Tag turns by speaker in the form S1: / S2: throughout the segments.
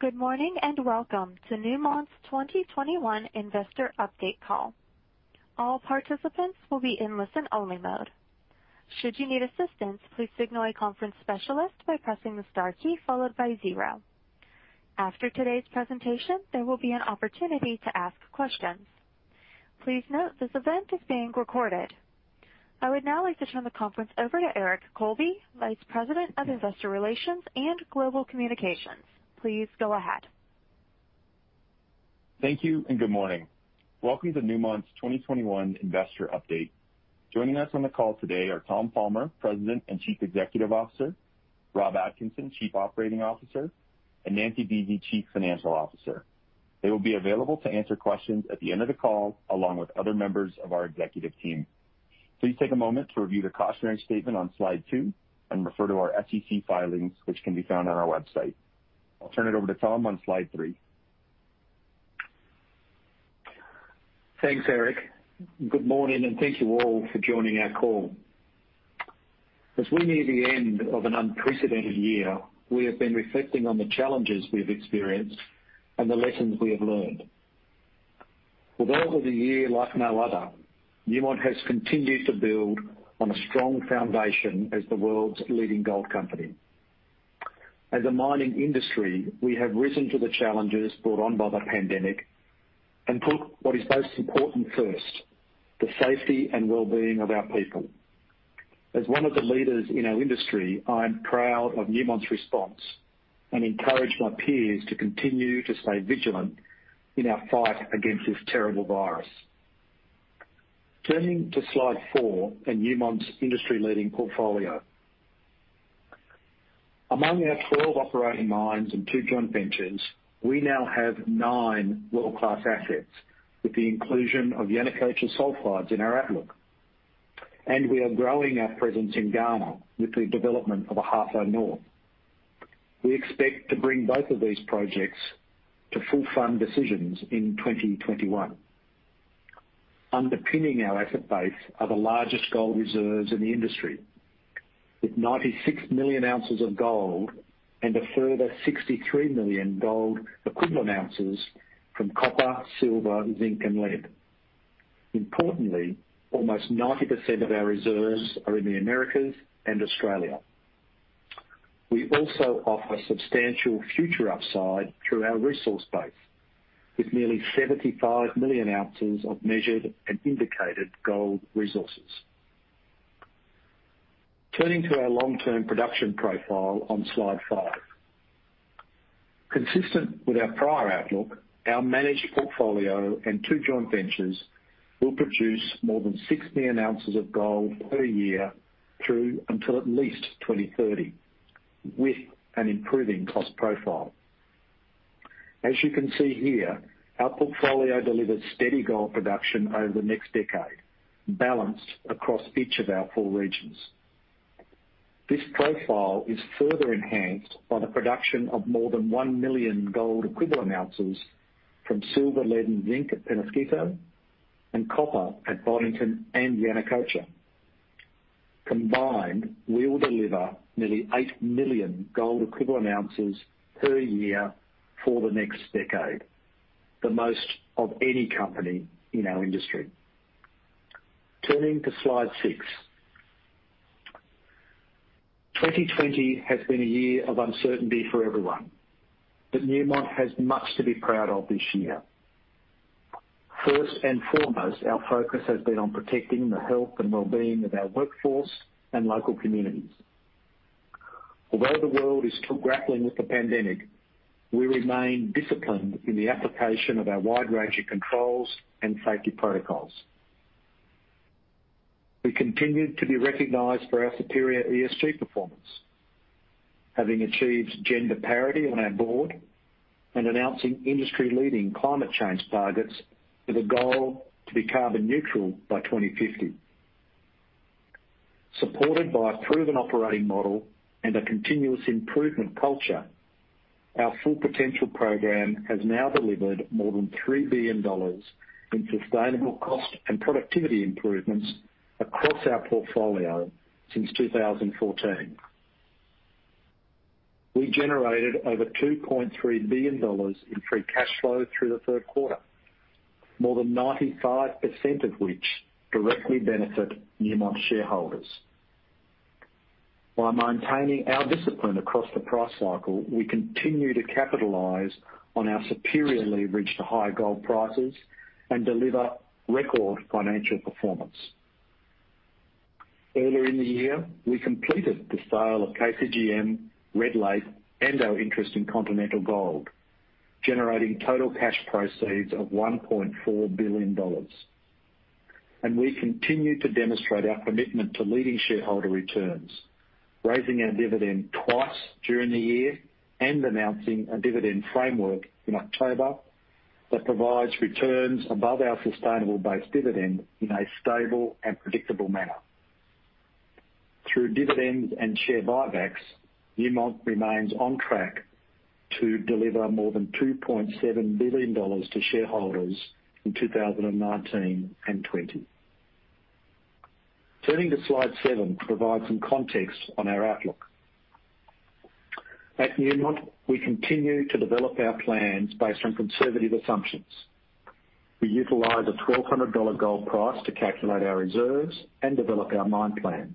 S1: Good morning, and welcome to Newmont's 2021 Investor Update call. All participants will be in listen-only mode. Should you need assistance, please signal a conference specialist by pressing the star key followed by zero. After today's presentation, there will be an opportunity to ask questions. Please note this event is being recorded. I would now like to turn the conference over to Eric Colby, Vice President of Investor Relations and Global Communications. Please go ahead.
S2: Thank you, and good morning. Welcome to Newmont's 2021 Investor Update. Joining us on the call today are Tom Palmer, President and Chief Executive Officer, Rob Atkinson, Chief Operating Officer, and Nancy Buese, Chief Financial Officer. They will be available to answer questions at the end of the call, along with other members of our executive team. Please take a moment to review the cautionary statement on slide two and refer to our SEC filings, which can be found on our website. I'll turn it over to Tom on slide three.
S3: Thanks, Eric. Good morning, and thank you all for joining our call. As we near the end of an unprecedented year, we have been reflecting on the challenges we've experienced and the lessons we have learned. Although it was a year like no other, Newmont has continued to build on a strong foundation as the world's leading gold company. As a mining industry, we have risen to the challenges brought on by the pandemic and put what is most important first, the safety and wellbeing of our people. As one of the leaders in our industry, I'm proud of Newmont's response and encourage my peers to continue to stay vigilant in our fight against this terrible virus. Turning to slide four and Newmont's industry-leading portfolio. Among our 12 operating mines and two joint ventures, we now have nine world-class assets, with the inclusion of Yanacocha Sulfides in our outlook. We are growing our presence in Ghana with the development of Ahafo North. We expect to bring both of these projects to full fund decisions in 2021. Underpinning our asset base are the largest gold reserves in the industry, with 96 million ounces of gold and a further 63 million gold equivalent ounces from copper, silver, zinc, and lead. Importantly, almost 90% of our reserves are in the Americas and Australia. We also offer substantial future upside through our resource base, with nearly 75 million ounces of measured and indicated gold resources. Turning to our long-term production profile on slide five. Consistent with our prior outlook, our managed portfolio and two joint ventures will produce more than 6 million ounces of gold per year through until at least 2030, with an improving cost profile. As you can see here, our portfolio delivers steady gold production over the next decade, balanced across each of our four regions. This profile is further enhanced by the production of more than 1 million gold equivalent ounces from silver, lead, and zinc at Peñasquito and copper at Boddington and Yanacocha. Combined, we will deliver nearly 8 million gold equivalent ounces per year for the next decade, the most of any company in our industry. Turning to slide six. 2020 has been a year of uncertainty for everyone. Newmont has much to be proud of this year. First and foremost, our focus has been on protecting the health and wellbeing of our workforce and local communities. Although the world is still grappling with the pandemic, we remain disciplined in the application of our wide range of controls and safety protocols. We continued to be recognized for our superior ESG performance, having achieved gender parity on our board and announcing industry-leading climate change targets with a goal to be carbon neutral by 2050. Supported by a proven operating model and a continuous improvement culture, our Full Potential program has now delivered more than $3 billion in sustainable cost and productivity improvements across our portfolio since 2014. We generated over $2.3 billion in free cash flow through the third quarter, more than 95% of which directly benefit Newmont shareholders. By maintaining our discipline across the price cycle, we continue to capitalize on our superior leverage to high gold prices and deliver record financial performance. Earlier in the year, we completed the sale of KCGM, Red Lake, and our interest in Continental Gold, generating total cash proceeds of $1.4 billion. We continue to demonstrate our commitment to leading shareholder returns, raising our dividend twice during the year and announcing a dividend framework in October that provides returns above our sustainable base dividend in a stable and predictable manner. Through dividends and share buybacks, Newmont remains on track to deliver more than $2.7 billion to shareholders in 2019 and 2020. Turning to slide seven to provide some context on our outlook. At Newmont, we continue to develop our plans based on conservative assumptions. We utilize a $1,200 gold price to calculate our reserves and develop our mine plans.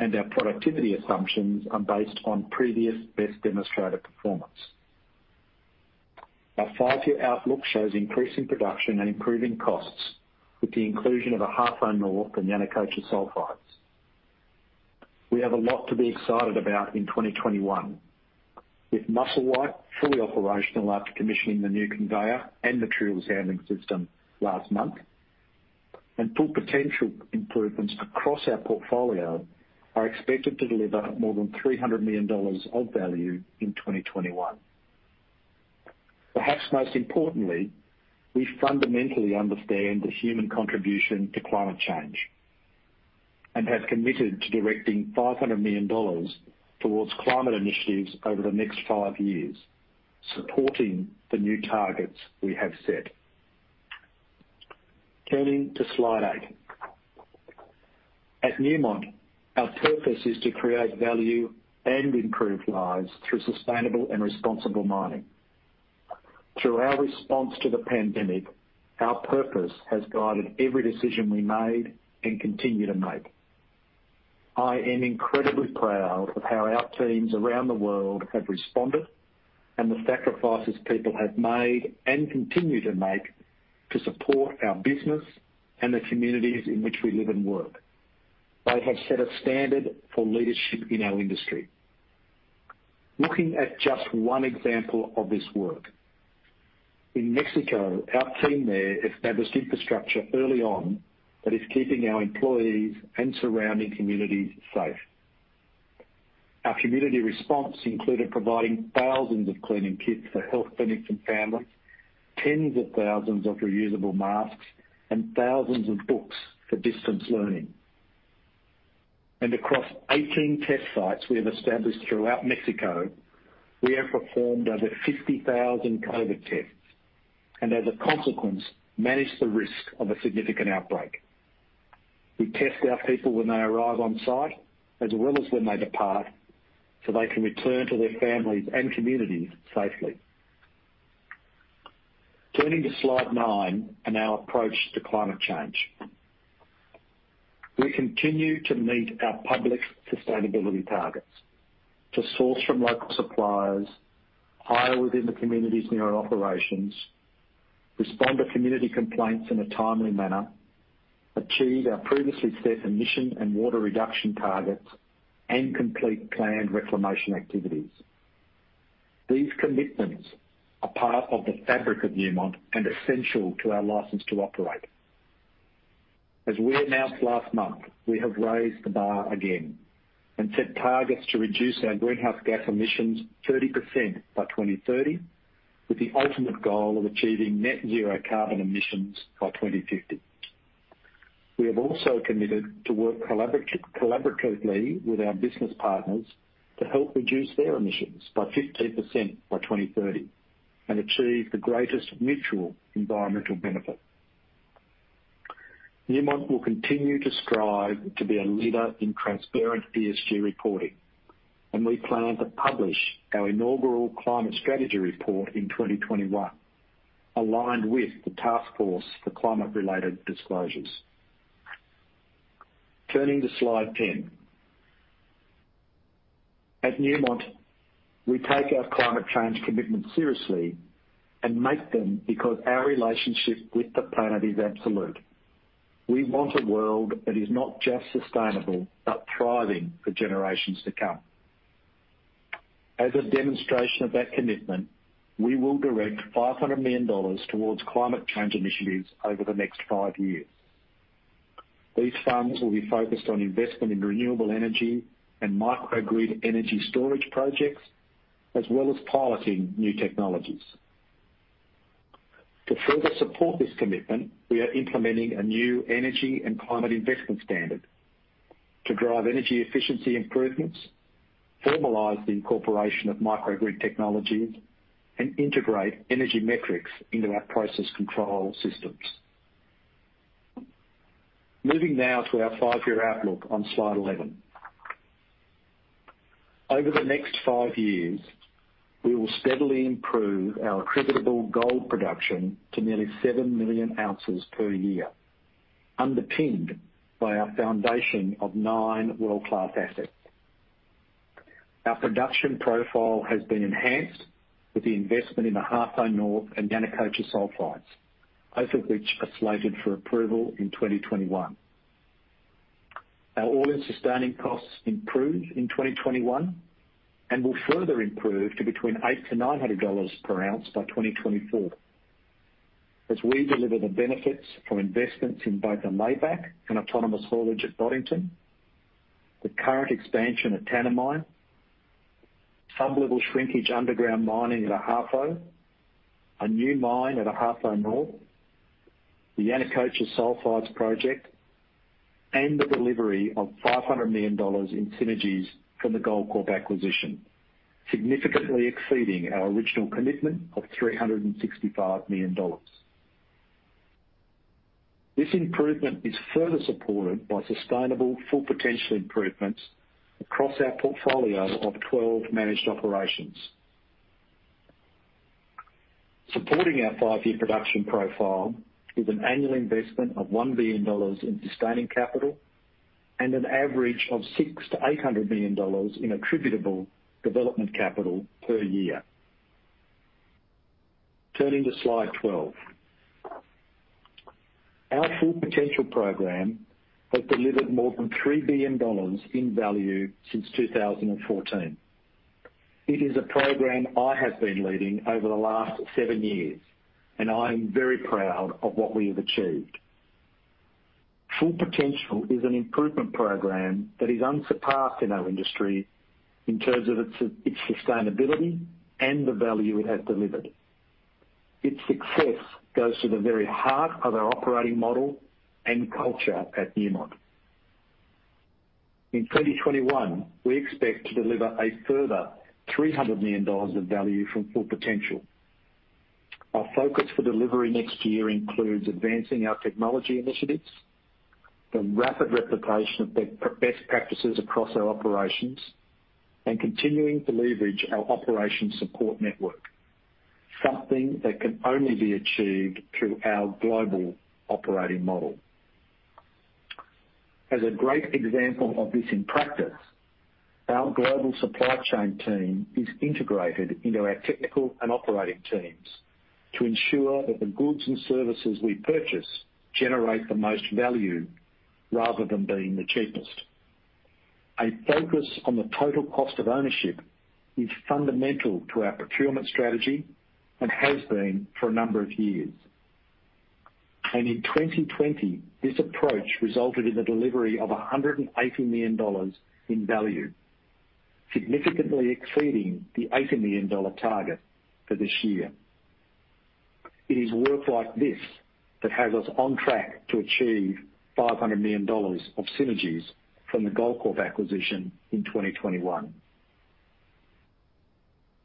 S3: Our productivity assumptions are based on previous best demonstrated performance. Our five-year outlook shows increasing production and improving costs with the inclusion of Ahafo North and Yanacocha Sulfides. We have a lot to be excited about in 2021. With Musselwhite fully operational after commissioning the new conveyor and materials handling system last month, Full Potential improvements across our portfolio are expected to deliver more than $300 million of value in 2021. Perhaps most importantly, we fundamentally understand the human contribution to climate change, have committed to directing $500 million towards climate initiatives over the next five years, supporting the new targets we have set. Turning to slide eight. At Newmont, our purpose is to create value and improve lives through sustainable and responsible mining. Through our response to the pandemic, our purpose has guided every decision we made and continue to make. I am incredibly proud of how our teams around the world have responded and the sacrifices people have made and continue to make to support our business and the communities in which we live and work. They have set a standard for leadership in our industry. Looking at just one example of this work. In Mexico, our team there established infrastructure early on that is keeping our employees and surrounding communities safe. Our community response included providing thousands of cleaning kits for health clinics and families, tens of thousands of reusable masks, and thousands of books for distance learning. Across 18 test sites we have established throughout Mexico, we have performed over 50,000 COVID-19 tests, and as a consequence, managed the risk of a significant outbreak. We test our people when they arrive on site, as well as when they depart, so they can return to their families and communities safely. Turning to slide nine and our approach to climate change. We continue to meet our public sustainability targets. To source from local suppliers, hire within the communities near our operations, respond to community complaints in a timely manner, achieve our previously set emission and water reduction targets, and complete planned reclamation activities. These commitments are part of the fabric of Newmont and essential to our license to operate. As we announced last month, we have raised the bar again and set targets to reduce our greenhouse gas emissions 30% by 2030, with the ultimate goal of achieving net zero carbon emissions by 2050. We have also committed to work collaboratively with our business partners to help reduce their emissions by 15% by 2030, and achieve the greatest mutual environmental benefit. Newmont will continue to strive to be a leader in transparent ESG reporting, and we plan to publish our inaugural Climate Strategy report in 2021, aligned with the Task Force on Climate-related Financial Disclosures. Turning to slide 10. At Newmont, we take our climate change commitments seriously and make them because our relationship with the planet is absolute. We want a world that is not just sustainable, but thriving for generations to come. As a demonstration of that commitment, we will direct $500 million towards climate change initiatives over the next five years. These funds will be focused on investment in renewable energy and microgrid energy storage projects, as well as piloting new technologies. To further support this commitment, we are implementing a new energy and climate investment standard to drive energy efficiency improvements, formalize the incorporation of microgrid technologies, and integrate energy metrics into our process control systems. Moving now to our five-year outlook on slide 11. Over the next five years, we will steadily improve our attributable gold production to nearly 7 million ounces per year, underpinned by our foundation of nine world-class assets. Our production profile has been enhanced with the investment in Ahafo North and Yanacocha Sulfides, both of which are slated for approval in 2021. Our All-In Sustaining Costs improved in 2021 and will further improve to between $800-$900 per ounce by 2024 as we deliver the benefits from investments in both the layback and autonomous haulage at Boddington, the current expansion at Tanami, sublevel shrinkage underground mining at Ahafo, a new mine at Ahafo North, the Yanacocha Sulfides project, and the delivery of $500 million in synergies from the Goldcorp acquisition. Significantly exceeding our original commitment of $365 million. This improvement is further supported by sustainable Full Potential improvements across our portfolio of 12 managed operations. Supporting our five-year production profile is an annual investment of $1 billion in sustaining capital and an average of $600 million-$800 million in attributable development capital per year. Turning to slide 12. Our Full Potential program has delivered more than $3 billion in value since 2014. It is a program I have been leading over the last seven years. I am very proud of what we have achieved. Full Potential is an improvement program that is unsurpassed in our industry in terms of its sustainability and the value it has delivered. Its success goes to the very heart of our operating model and culture at Newmont. In 2021, we expect to deliver a further $300 million of value from Full Potential. Our focus for delivery next year includes advancing our technology initiatives, the rapid replication of best practices across our operations, continuing to leverage our operation support network, something that can only be achieved through our global operating model. As a great example of this in practice, our global supply chain team is integrated into our technical and operating teams to ensure that the goods and services we purchase generate the most value rather than being the cheapest. A focus on the total cost of ownership is fundamental to our procurement strategy and has been for a number of years. In 2020, this approach resulted in the delivery of $180 million in value, significantly exceeding the $80 million target for this year. It is work like this that has us on track to achieve $500 million of synergies from the Goldcorp acquisition in 2021.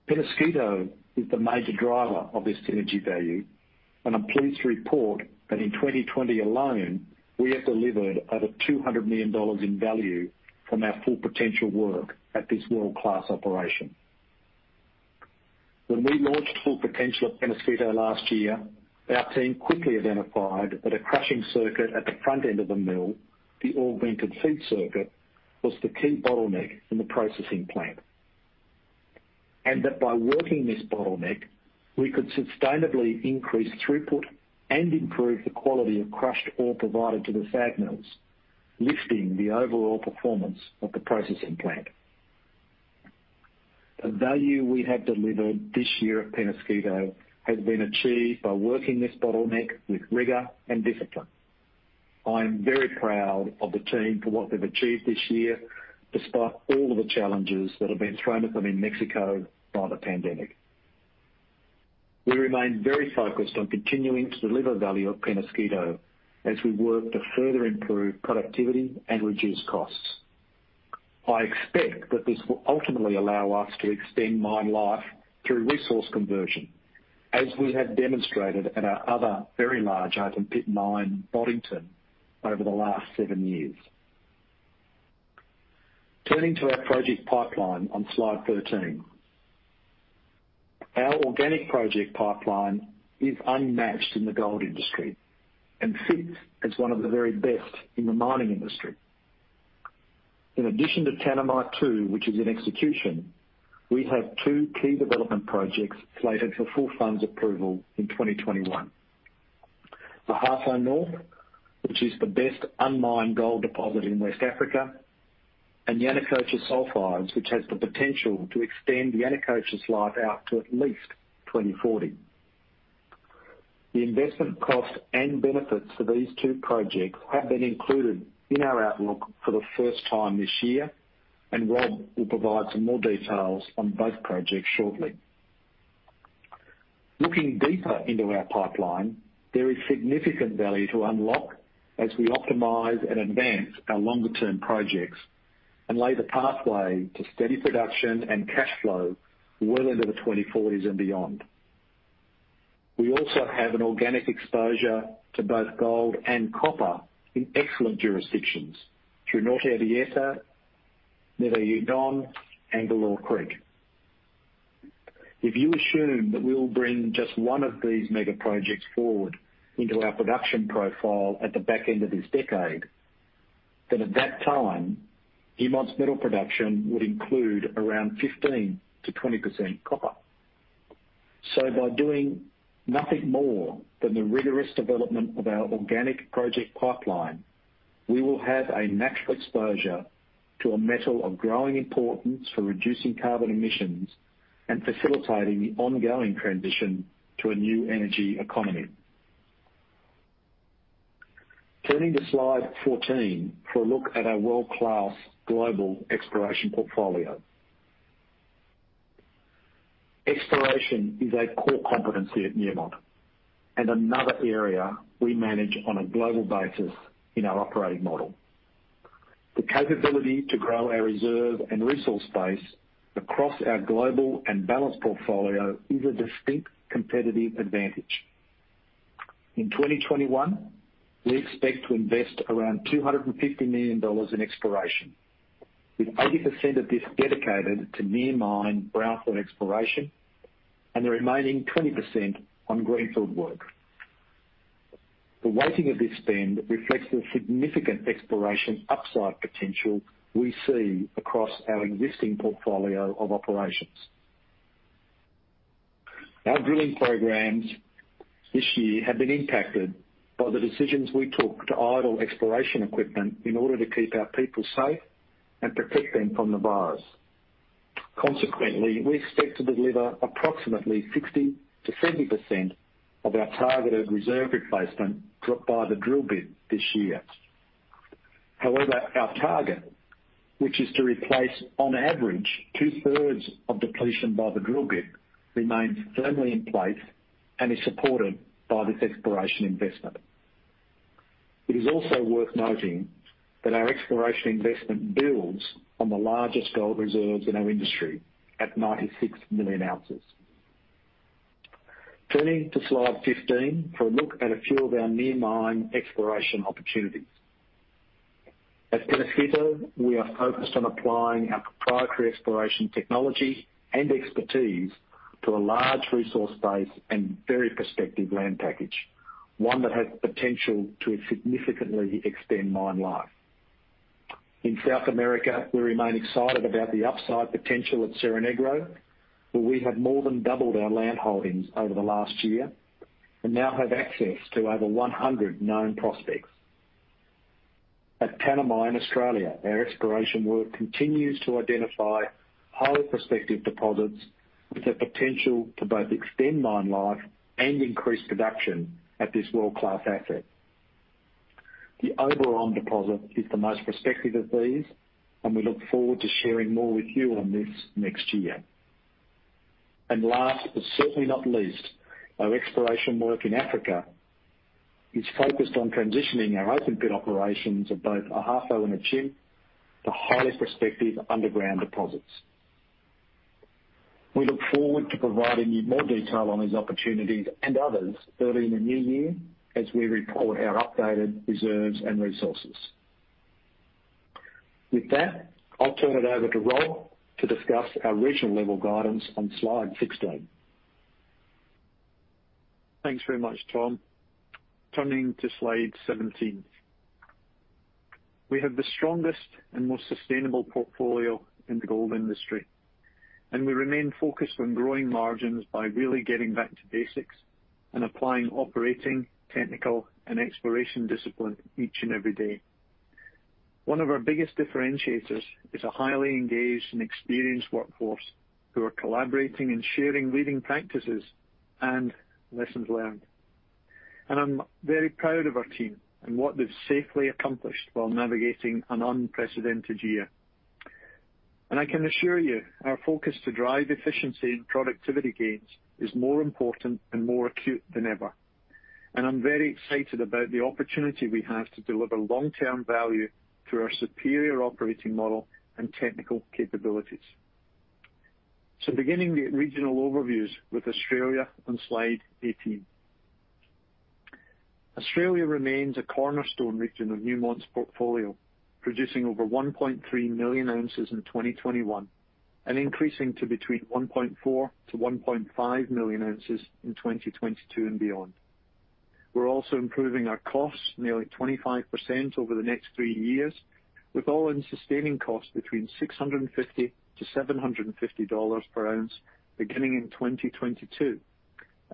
S3: Peñasquito is the major driver of this synergy value, and I'm pleased to report that in 2020 alone, we have delivered over $200 million in value from our Full Potential work at this world-class operation. When we launched Full Potential at Peñasquito last year, our team quickly identified that a crushing circuit at the front end of the mill, the augmented feed circuit, was the key bottleneck in the processing plant. That by working this bottleneck, we could sustainably increase throughput and improve the quality of crushed ore provided to the SAG mills, lifting the overall performance of the processing plant. The value we have delivered this year at Peñasquito has been achieved by working this bottleneck with rigor and discipline. I am very proud of the team for what they've achieved this year, despite all of the challenges that have been thrown at them in Mexico by the pandemic. We remain very focused on continuing to deliver value at Peñasquito as we work to further improve productivity and reduce costs. I expect that this will ultimately allow us to extend mine life through resource conversion, as we have demonstrated at our other very large open pit mine, Boddington, over the last seven years. Turning to our project pipeline on slide 13. Our organic project pipeline is unmatched in the gold industry and sits as one of the very best in the mining industry. In addition to Tanami 2, which is in execution, we have two key development projects slated for full funds approval in 2021. Ahafo North, which is the best unmined gold deposit in West Africa, and Yanacocha Sulfides, which has the potential to extend Yanacocha's life out to at least 2040. The investment cost and benefits for these two projects have been included in our outlook for the first time this year, and Rob will provide some more details on both projects shortly. Looking deeper into our pipeline, there is significant value to unlock as we optimize and advance our longer-term projects and lay the pathway to steady production and cash flow well into the 2040s and beyond. We also have an organic exposure to both gold and copper in excellent jurisdictions through Norte Abierto, Coffee Gold Project, and Galore Creek. If you assume that we'll bring just one of these mega projects forward into our production profile at the back end of this decade, then at that time, Newmont's metal production would include around 15%-20% copper. By doing nothing more than the rigorous development of our organic project pipeline, we will have a natural exposure to a metal of growing importance for reducing carbon emissions and facilitating the ongoing transition to a new energy economy. Turning to slide 14 for a look at our world-class global exploration portfolio. Exploration is a core competency at Newmont, and another area we manage on a global basis in our operating model. The capability to grow our reserve and resource base across our global and balanced portfolio is a distinct competitive advantage. In 2021, we expect to invest around $250 million in exploration, with 80% of this dedicated to near mine brownfield exploration, and the remaining 20% on greenfield work. The weighting of this spend reflects the significant exploration upside potential we see across our existing portfolio of operations. Our drilling programs this year have been impacted by the decisions we took to idle exploration equipment in order to keep our people safe and protect them from the virus. We expect to deliver approximately 60%-70% of our targeted reserve replacement by the drill bit this year. Our target, which is to replace, on average, 2/3 of depletion by the drill bit, remains firmly in place and is supported by this exploration investment. It is also worth noting that our exploration investment builds on the largest gold reserves in our industry, at 96 million ounces. Turning to slide 15 for a look at a few of our near mine exploration opportunities. At Peñasquito, we are focused on applying our proprietary exploration technology and expertise to a large resource base and very prospective land package, one that has potential to significantly extend mine life. In South America, we remain excited about the upside potential at Cerro Negro, where we have more than doubled our land holdings over the last year and now have access to over 100 known prospects. At Tanami in Australia, our exploration work continues to identify highly prospective deposits with the potential to both extend mine life and increase production at this world-class asset. The overall deposit is the most prospective of these, and we look forward to sharing more with you on this next year. Last, but certainly not least, our exploration work in Africa is focused on transitioning our open pit operations at both Ahafo and Akyem to highly prospective underground deposits. We look forward to providing you more detail on these opportunities and others early in the new year, as we report our updated reserves and resources. With that, I'll turn it over to Rob to discuss our regional level guidance on slide 16.
S4: Thanks very much, Tom. Turning to slide 17. We have the strongest and most sustainable portfolio in the gold industry. We remain focused on growing margins by really getting back to basics and applying operating, technical, and exploration discipline each and every day. One of our biggest differentiators is a highly engaged and experienced workforce who are collaborating and sharing leading practices and lessons learned. I'm very proud of our team and what they've safely accomplished while navigating an unprecedented year. I can assure you, our focus to drive efficiency and productivity gains is more important and more acute than ever. I'm very excited about the opportunity we have to deliver long-term value through our superior operating model and technical capabilities. Beginning the regional overviews with Australia on slide 18. Australia remains a cornerstone region of Newmont's portfolio, producing over 1.3 million ounces in 2021 and increasing to between 1.4 million-1.5 million ounces in 2022 and beyond. We're also improving our costs nearly 25% over the next three years, with All-In Sustaining Costs between $650-$750 per ounce beginning in 2022,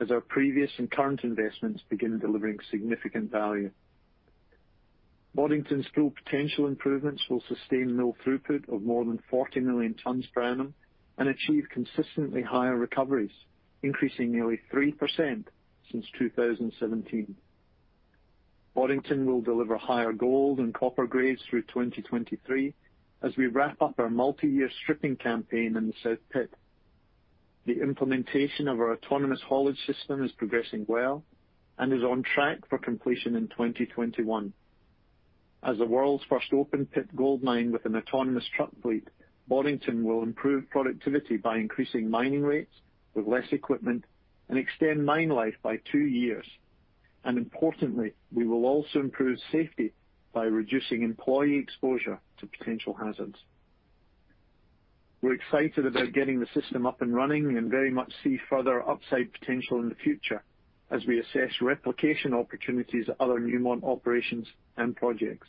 S4: as our previous and current investments begin delivering significant value. Boddington's true potential improvements will sustain mill throughput of more than 40 million tons per annum and achieve consistently higher recoveries, increasing nearly 3% since 2017. Boddington will deliver higher gold and copper grades through 2023 as we wrap up our multi-year stripping campaign in the South Pit. The implementation of our autonomous haulage system is progressing well and is on track for completion in 2021. As the world's first open pit gold mine with an autonomous truck fleet, Boddington will improve productivity by increasing mining rates with less equipment and extend mine life by two years. Importantly, we will also improve safety by reducing employee exposure to potential hazards. We're excited about getting the system up and running and very much see further upside potential in the future as we assess replication opportunities at other Newmont operations and projects.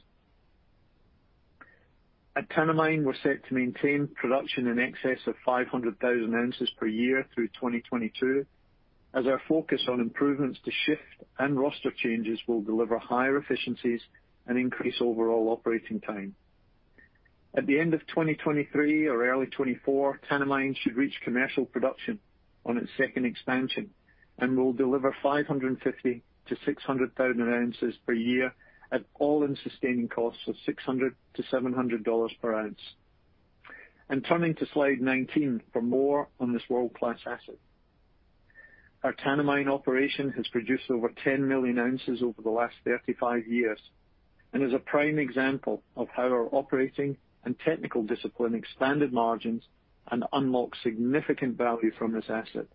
S4: At Tanami, we're set to maintain production in excess of 500,000 oz per year through 2022, as our focus on improvements to shift and roster changes will deliver higher efficiencies and increase overall operating time. At the end of 2023 or early 2024, Tanami should reach commercial production on its second expansion and will deliver 550,000-600,000 oz per year at All-In Sustaining Costs of $600-$700 per ounce. Turning to slide 19 for more on this world-class asset. Our Tanami operation has produced over 10 million ounces over the last 35 years and is a prime example of how our operating and technical discipline expanded margins and unlocked significant value from this asset.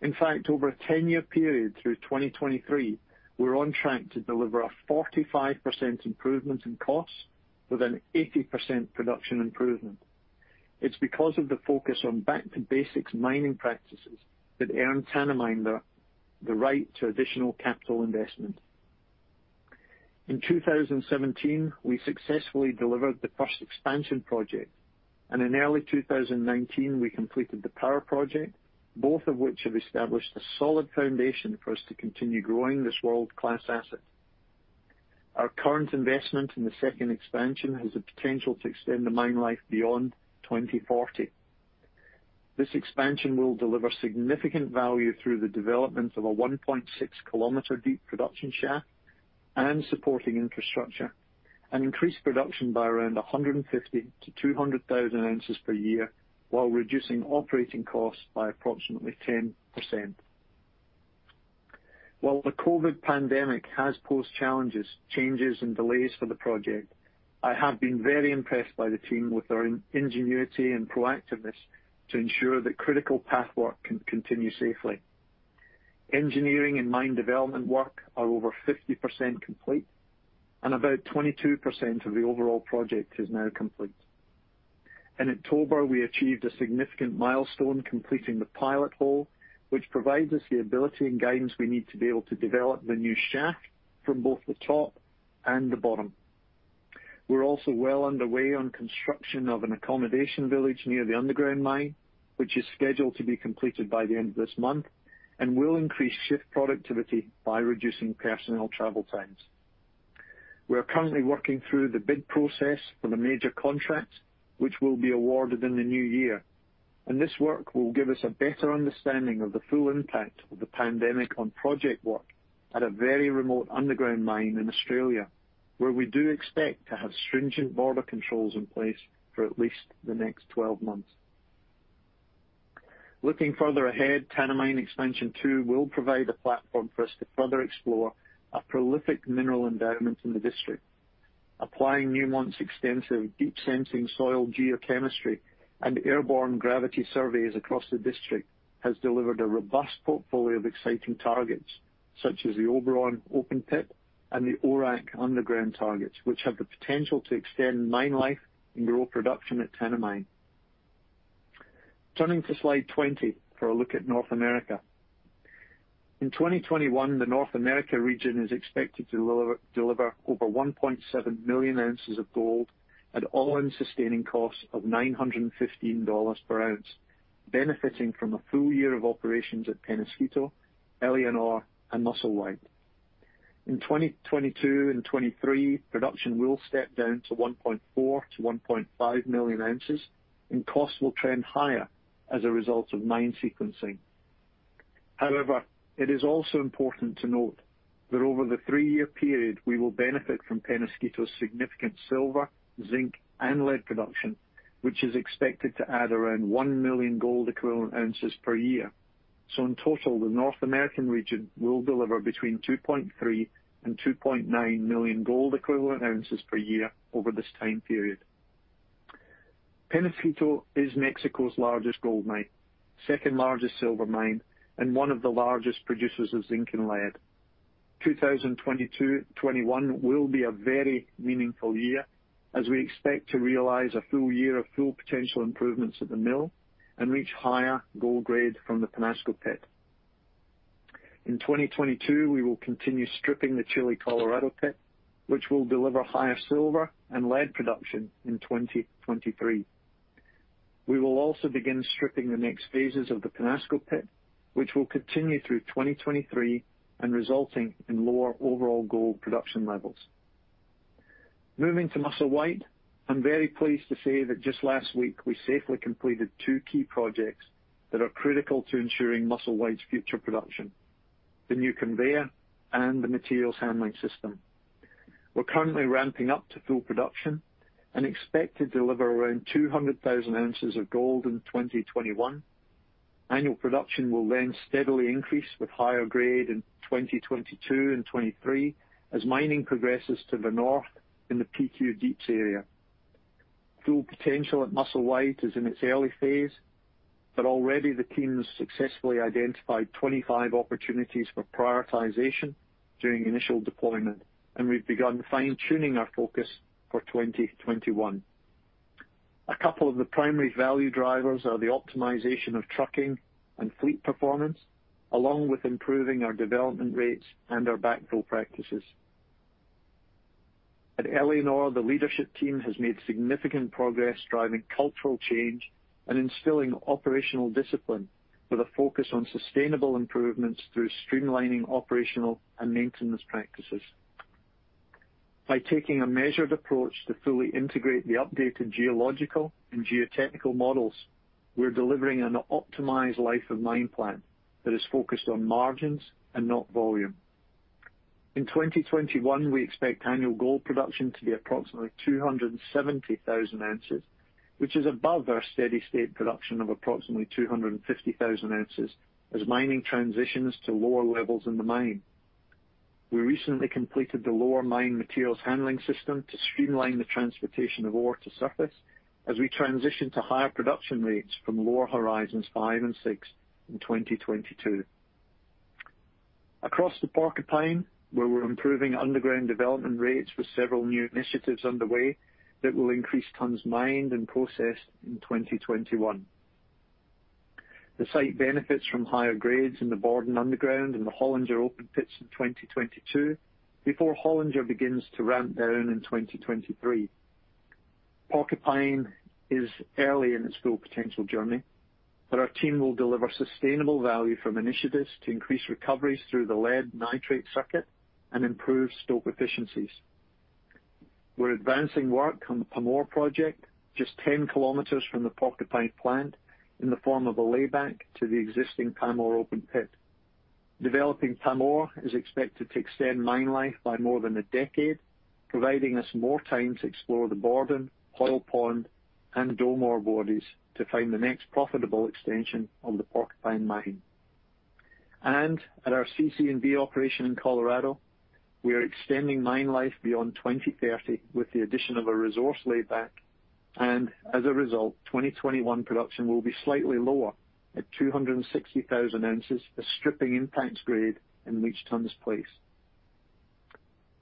S4: In fact, over a 10-year period through 2023, we're on track to deliver a 45% improvement in costs with an 80% production improvement. It's because of the focus on back-to-basics mining practices that earned Tanami the right to additional capital investment. In 2017, we successfully delivered the first expansion project, and in early 2019, we completed the power project, both of which have established a solid foundation for us to continue growing this world-class asset. Our current investment in the second expansion has the potential to extend the mine life beyond 2040. This expansion will deliver significant value through the development of a 1.6-km-deep production shaft and supporting infrastructure, and increase production by around 150,000-200,000 oz per year, while reducing operating costs by approximately 10%. While the COVID-19 pandemic has posed challenges, changes, and delays for the project, I have been very impressed by the team with their ingenuity and proactiveness to ensure that critical path work can continue safely. Engineering and mine development work are over 50% complete, and about 22% of the overall project is now complete. In October, we achieved a significant milestone, completing the pilot hole, which provides us the ability and guidance we need to be able to develop the new shaft from both the top and the bottom. We're also well underway on construction of an accommodation village near the underground mine, which is scheduled to be completed by the end of this month and will increase shift productivity by reducing personnel travel times. We are currently working through the bid process for the major contracts, which will be awarded in the new year. This work will give us a better understanding of the full impact of the pandemic on project work at a very remote underground mine in Australia, where we do expect to have stringent border controls in place for at least the next 12 months. Looking further ahead, Tanami Expansion 2 will provide a platform for us to further explore a prolific mineral endowment in the district. Applying Newmont's extensive deep-sensing soil geochemistry and airborne gravity surveys across the district has delivered a robust portfolio of exciting targets, such as the Oberon open pit and the Auron underground targets, which have the potential to extend mine life and grow production at Tanami. Turning to slide 20 for a look at North America. In 2021, the North America region is expected to deliver over 1.7 million ounces of gold at All-In Sustaining Costs of $915 per ounce, benefiting from a full year of operations at Peñasquito, Éléonore, and Musselwhite. In 2022 and 2023, production will step down to 1.4 million-1.5 million ounces, and costs will trend higher as a result of mine sequencing. However, it is also important to note that over the three-year period, we will benefit from Peñasquito's significant silver, zinc, and lead production, which is expected to add around 1 million gold equivalent ounces per year. In total, the North American region will deliver between 2.3 million and 2.9 million gold equivalent ounces per year over this time period. Peñasquito is Mexico's largest gold mine, second-largest silver mine, and one of the largest producers of zinc and lead. 2021 will be a very meaningful year as we expect to realize a full year of Full Potential improvements at the mill and reach higher gold grade from the Peñasquito pit. In 2022, we will continue stripping the Chile Colorado pit, which will deliver higher silver and lead production in 2023. We will also begin stripping the next phases of the Peñasquito pit, which will continue through 2023 and resulting in lower overall gold production levels. Moving to Musselwhite, I'm very pleased to say that just last week, we safely completed two key projects that are critical to ensuring Musselwhite's future production, the new conveyor and the materials handling system. We're currently ramping up to full production and expect to deliver around 200,000 oz of gold in 2021. Annual production will then steadily increase with higher grade in 2022 and 2023 as mining progresses to the north in the PQ Deeps area. Full Potential at Musselwhite is in its early phase, but already the team has successfully identified 25 opportunities for prioritization during initial deployment, and we've begun fine-tuning our focus for 2021. A couple of the primary value drivers are the optimization of trucking and fleet performance, along with improving our development rates and our backfill practices. At Éléonore, the leadership team has made significant progress driving cultural change and instilling operational discipline with a focus on sustainable improvements through streamlining operational and maintenance practices. By taking a measured approach to fully integrate the updated geological and geotechnical models, we're delivering an optimized life of mine plan that is focused on margins and not volume. In 2021, we expect annual gold production to be approximately 270,000 oz, which is above our steady state production of approximately 250,000 oz as mining transitions to lower levels in the mine. We recently completed the lower mine materials handling system to streamline the transportation of ore to surface as we transition to higher production rates from lower horizons five and six in 2022. Across the Porcupine, where we're improving underground development rates with several new initiatives underway that will increase tons mined and processed in 2021. The site benefits from higher grades in the Borden underground and the Hollinger open pits in 2022, before Hollinger begins to ramp down in 2023. Porcupine is early in its Full Potential journey, but our team will deliver sustainable value from initiatives to increase recoveries through the lead nitrate circuit and improve stope efficiencies. We're advancing work on the Pamour project, just 10 km from the Porcupine plant, in the form of a lay-back to the existing Pamour open pit. Developing Pamour is expected to extend mine life by more than a decade, providing us more time to explore the Borden, Hoyle Pond and Dome ore bodies to find the next profitable extension of the Porcupine mine. At our CC&V operation in Colorado, we are extending mine life beyond 2030 with the addition of a resource lay-back, as a result, 2021 production will be slightly lower at 260,000 oz as stripping impacts grade in leach tons placed.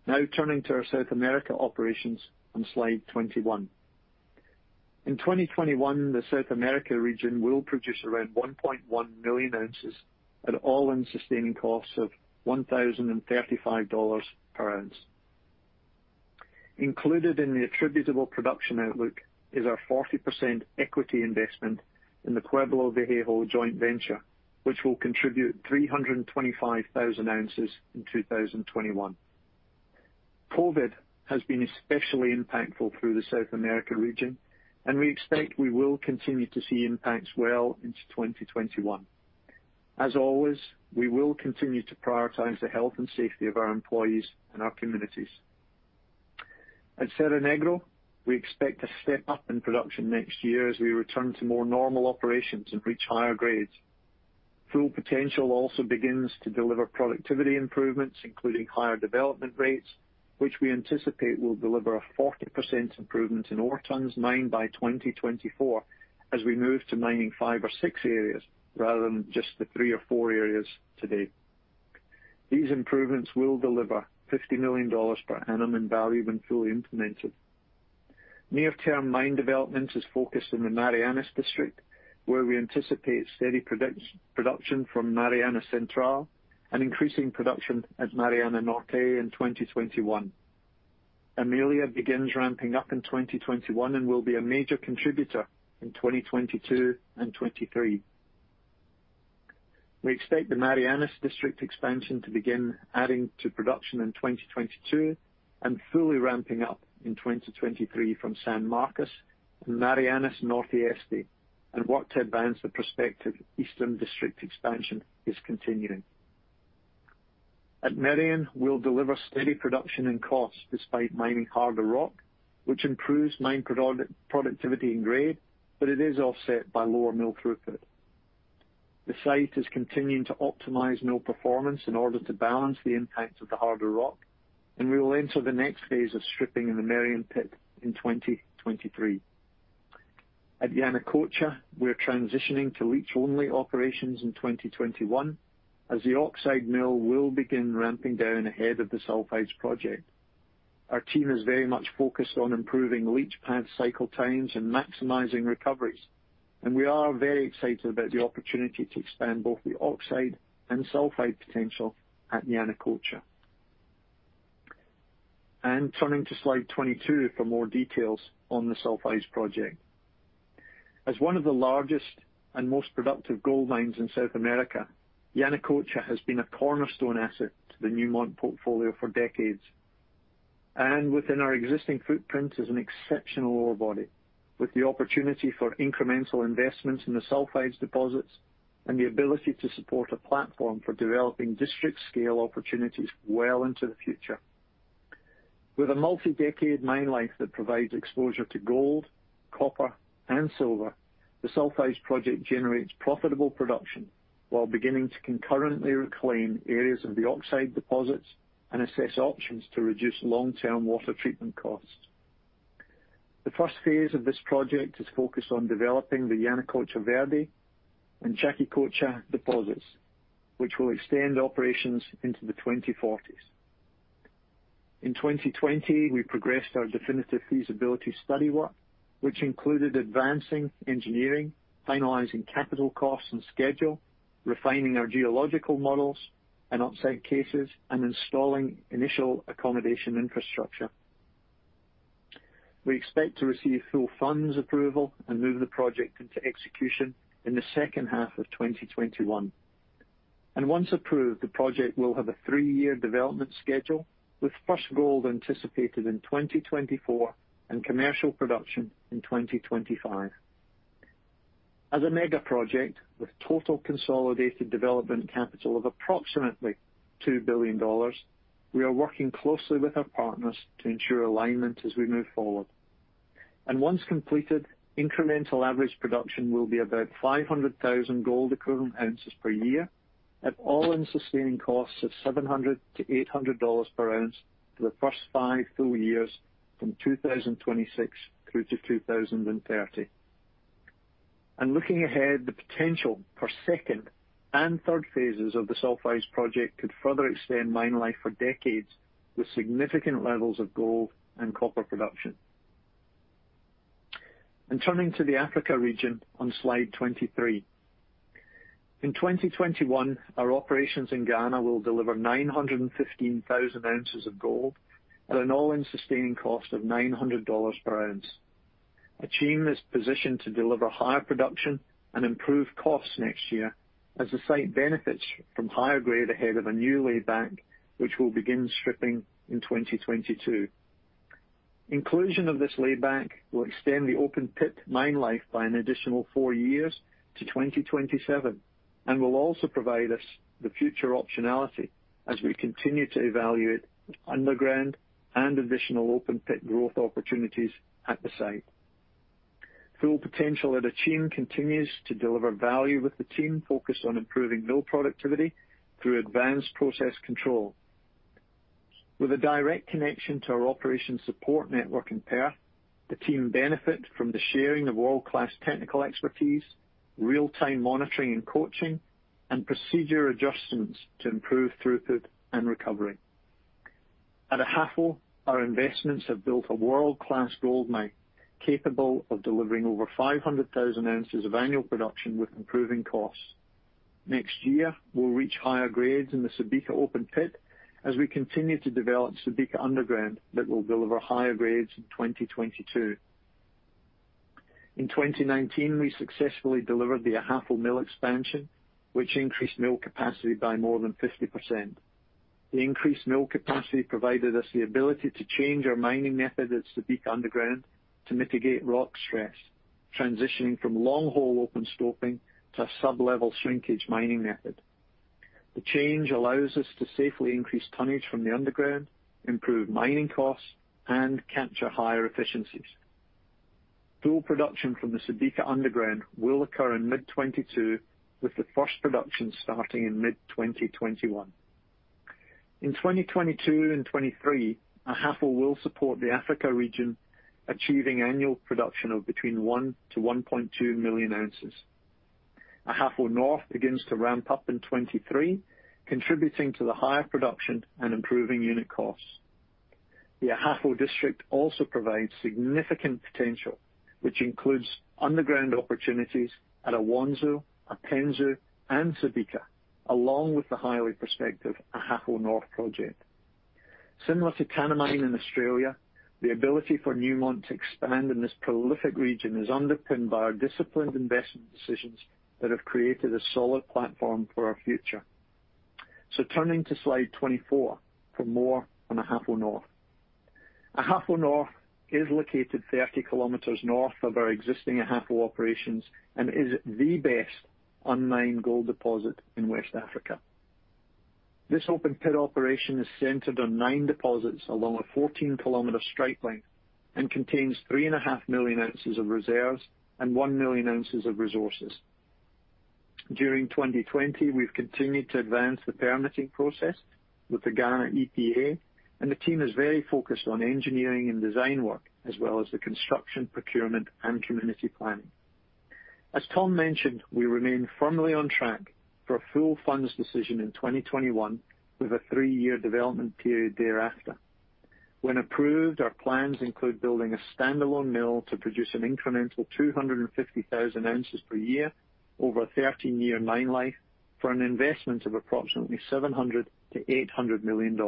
S4: Now turning to our South America operations on slide 21. In 2021, the South America region will produce around 1.1 million ounces at All-In Sustaining Costs of $1,035 per ounce. Included in the attributable production outlook is our 40% equity investment in the Pueblo Viejo joint venture, which will contribute 325,000 oz in 2021. COVID-19 has been especially impactful through the South America region, we expect we will continue to see impacts well into 2021. As always, we will continue to prioritize the health and safety of our employees and our communities. At Cerro Negro, we expect a step up in production next year as we return to more normal operations and reach higher grades. Full Potential also begins to deliver productivity improvements, including higher development rates, which we anticipate will deliver a 40% improvement in ore tons mined by 2024 as we move to mining five or six areas rather than just the three or four areas today. These improvements will deliver $50 million per annum in value when fully implemented. Near-term mine development is focused in the Marianas District, where we anticipate steady production from Mariana Central and increasing production at Mariana Norte in 2021. Emilia begins ramping up in 2021 and will be a major contributor in 2022 and 2023. We expect the Mariana District expansion to begin adding to production in 2022 and fully ramping up in 2023 from San Marcos and Mariana Norte Este, and work to advance the prospective Eastern District expansion is continuing. At Merian, we'll deliver steady production and costs despite mining harder rock, which improves mine productivity and grade, but it is offset by lower mill throughput. The site is continuing to optimize mill performance in order to balance the impacts of the harder rock, and we will enter the next phase of stripping in the Merian pit in 2023. At Yanacocha, we're transitioning to leach only operations in 2021, as the oxide mill will begin ramping down ahead of the sulfides project. Our team is very much focused on improving leach pad cycle times and maximizing recoveries, and we are very excited about the opportunity to expand both the oxide and sulfide potential at Yanacocha. Turning to slide 22 for more details on the sulfides project. As one of the largest and most productive gold mines in South America, Yanacocha has been a cornerstone asset to the Newmont portfolio for decades. Within our existing footprint is an exceptional ore body with the opportunity for incremental investments in the sulfides deposits and the ability to support a platform for developing district scale opportunities well into the future. With a multi-decade mine life that provides exposure to gold, copper and silver, the sulfides project generates profitable production while beginning to concurrently reclaim areas of the oxide deposits and assess options to reduce long-term water treatment costs. The first phase of this project is focused on developing the Yanacocha Verde and Chaquicocha deposits, which will extend operations into the 2040s. In 2020, we progressed our definitive feasibility study work, which included advancing engineering, finalizing capital costs and schedule, refining our geological models and upside cases, and installing initial accommodation infrastructure. We expect to receive full funds approval and move the project into execution in the second half of 2021. Once approved, the project will have a three-year development schedule, with first gold anticipated in 2024 and commercial production in 2025. As a mega project with total consolidated development capital of approximately $2 billion, we are working closely with our partners to ensure alignment as we move forward. Once completed, incremental average production will be about 500,000 gold equivalent ounces per year at All-In Sustaining Costs of $700-$800 per ounce for the first five full years from 2026 through to 2030. Looking ahead, the potential for second and third phases of the sulfides project could further extend mine life for decades with significant levels of gold and copper production. Turning to the Africa region on slide 23. In 2021, our operations in Ghana will deliver 915,000 oz of gold at an All-In Sustaining Costs of $900 per ounce. Akyem is positioned to deliver higher production and improve costs next year as the site benefits from higher grade ahead of a new layback, which will begin stripping in 2022. Inclusion of this layback will extend the open-pit mine life by an additional four years to 2027, and will also provide us the future optionality as we continue to evaluate underground and additional open-pit growth opportunities at the site. Full Potential at Akyem continues to deliver value with the team focused on improving mill productivity through advanced process control. With a direct connection to our operation support network in Perth, the team benefit from the sharing of world-class technical expertise, real-time monitoring and coaching, and procedure adjustments to improve throughput and recovery. At Ahafo, our investments have built a world-class goldmine, capable of delivering over 500,000 oz of annual production with improving costs. Next year, we'll reach higher grades in the Subika open pit as we continue to develop Subika Underground, that will deliver higher grades in 2022. In 2019, we successfully delivered the Ahafo Mill Expansion, which increased mill capacity by more than 50%. The increased mill capacity provided us the ability to change our mining method at Subika Underground to mitigate rock stress, transitioning from long-hole open stoping to a sublevel shrinkage mining method. The change allows us to safely increase tonnage from the underground, improve mining costs, and capture higher efficiencies. Full production from the Subika Underground will occur in mid 2022, with the first production starting in mid 2021. In 2022 and 2023, Ahafo will support the Africa region, achieving annual production of between one to 1.2 million ounces. Ahafo North begins to ramp up in 2023, contributing to the higher production and improving unit costs. The Ahafo district also provides significant potential, which includes underground opportunities at Awonsu, Apensu, and Subika, along with the highly prospective Ahafo North project. Similar to Tanami in Australia, the ability for Newmont to expand in this prolific region is underpinned by our disciplined investment decisions that have created a solid platform for our future. Turning to slide 24 for more on Ahafo North. Ahafo North is located 30 km North of our existing Ahafo operations and is the best unmined gold deposit in West Africa. This open-pit operation is centered on nine deposits along a 14-km strike length and contains 3.5 million ounces of reserves and 1 million ounces of resources. During 2020, we've continued to advance the permitting process with the Ghana EPA, and the team is very focused on engineering and design work, as well as the construction, procurement, and community planning. As Tom mentioned, we remain firmly on track for a full funds decision in 2021, with a three-year development period thereafter. When approved, our plans include building a standalone mill to produce an incremental 250,000 oz per year over a 13-year mine life for an investment of approximately $700 million-$800 million.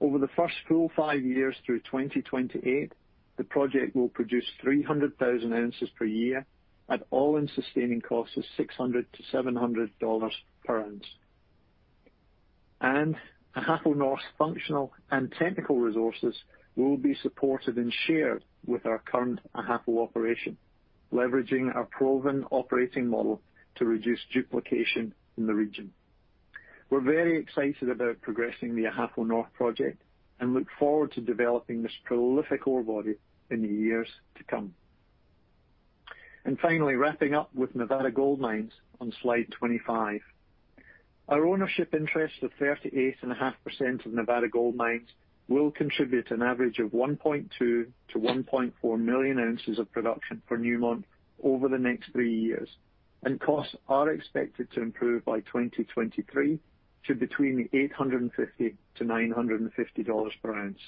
S4: Over the first full five years through 2028, the project will produce 300,000 oz per year at All-In Sustaining Costs of $600-$700 per ounce. Ahafo North functional and technical resources will be supported and shared with our current Ahafo operation, leveraging our proven operating model to reduce duplication in the region. We're very excited about progressing the Ahafo North project and look forward to developing this prolific ore body in the years to come. Finally, wrapping up with Nevada Gold Mines on slide 25. Our ownership interest of 38.5% of Nevada Gold Mines will contribute an average of 1.2 million-1.4 million ounces of production for Newmont over the next three years, and costs are expected to improve by 2023 to between $850-$950 per ounce.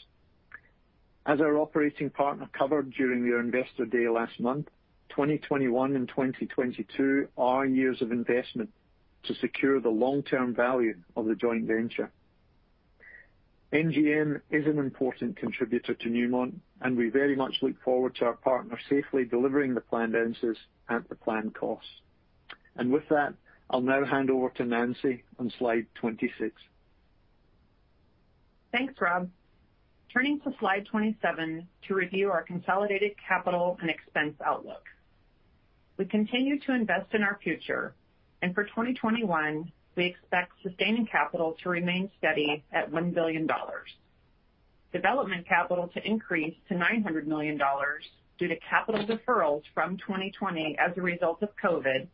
S4: As our operating partner covered during their Investor Day last month, 2021 and 2022 are years of investment to secure the long-term value of the joint venture. NGM is an important contributor to Newmont, we very much look forward to our partner safely delivering the planned ounces at the planned costs. With that, I'll now hand over to Nancy on slide 26.
S5: Thanks, Rob. Turning to slide 27 to review our consolidated capital and expense outlook. We continue to invest in our future. For 2021, we expect sustaining capital to remain steady at $1 billion. Development capital to increase to $900 million due to capital deferrals from 2020 as a result of COVID-19,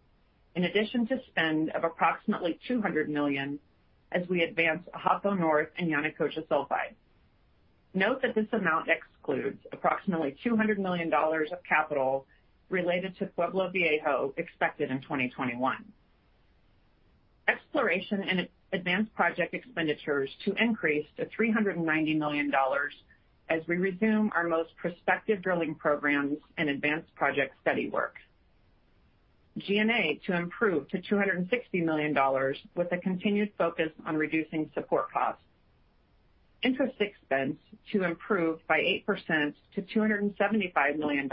S5: in addition to spend of approximately $200 million as we advance Ahafo North and Yanacocha Sulfides. Note that this amount excludes approximately $200 million of capital related to Pueblo Viejo expected in 2021. Exploration and advanced project expenditures to increase to $390 million as we resume our most prospective drilling programs and advanced project study work. G&A to improve to $260 million with a continued focus on reducing support costs. Interest expense to improve by 8% to $275 million,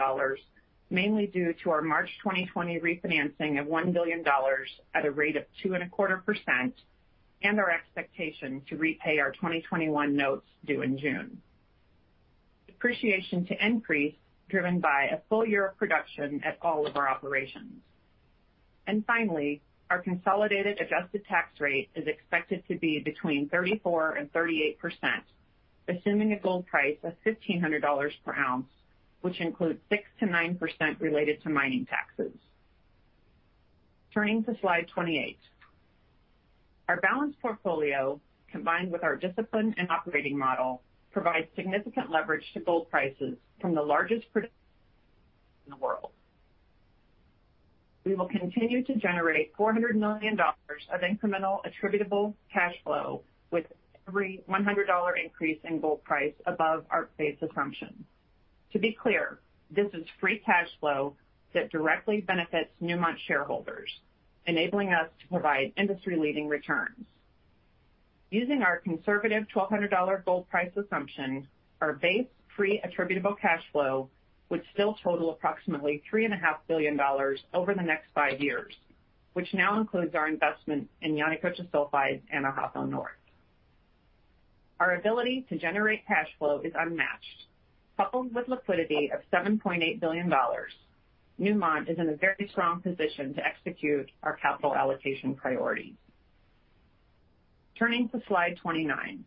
S5: mainly due to our March 2020 refinancing of $1 billion at a rate of 2.25%, and our expectation to repay our 2021 notes due in June. Depreciation to increase, driven by a full year of production at all of our operations. Finally, our consolidated adjusted tax rate is expected to be between 34% and 38%, assuming a gold price of $1,500 per ounce, which includes 6%-9% related to mining taxes. Turning to slide 28. Our balanced portfolio, combined with our discipline and operating model, provides significant leverage to gold prices from the largest in the world. We will continue to generate $400 million of incremental attributable cash flow with every $100 increase in gold price above our base assumption. To be clear, this is free cash flow that directly benefits Newmont shareholders, enabling us to provide industry-leading returns. Using our conservative $1,200 gold price assumption, our base free attributable cash flow would still total approximately $3.5 billion over the next five years, which now includes our investment in Yanacocha Sulfides and Ahafo North. Our ability to generate cash flow is unmatched. Coupled with liquidity of $7.8 billion, Newmont is in a very strong position to execute our capital allocation priorities. Turning to slide 29.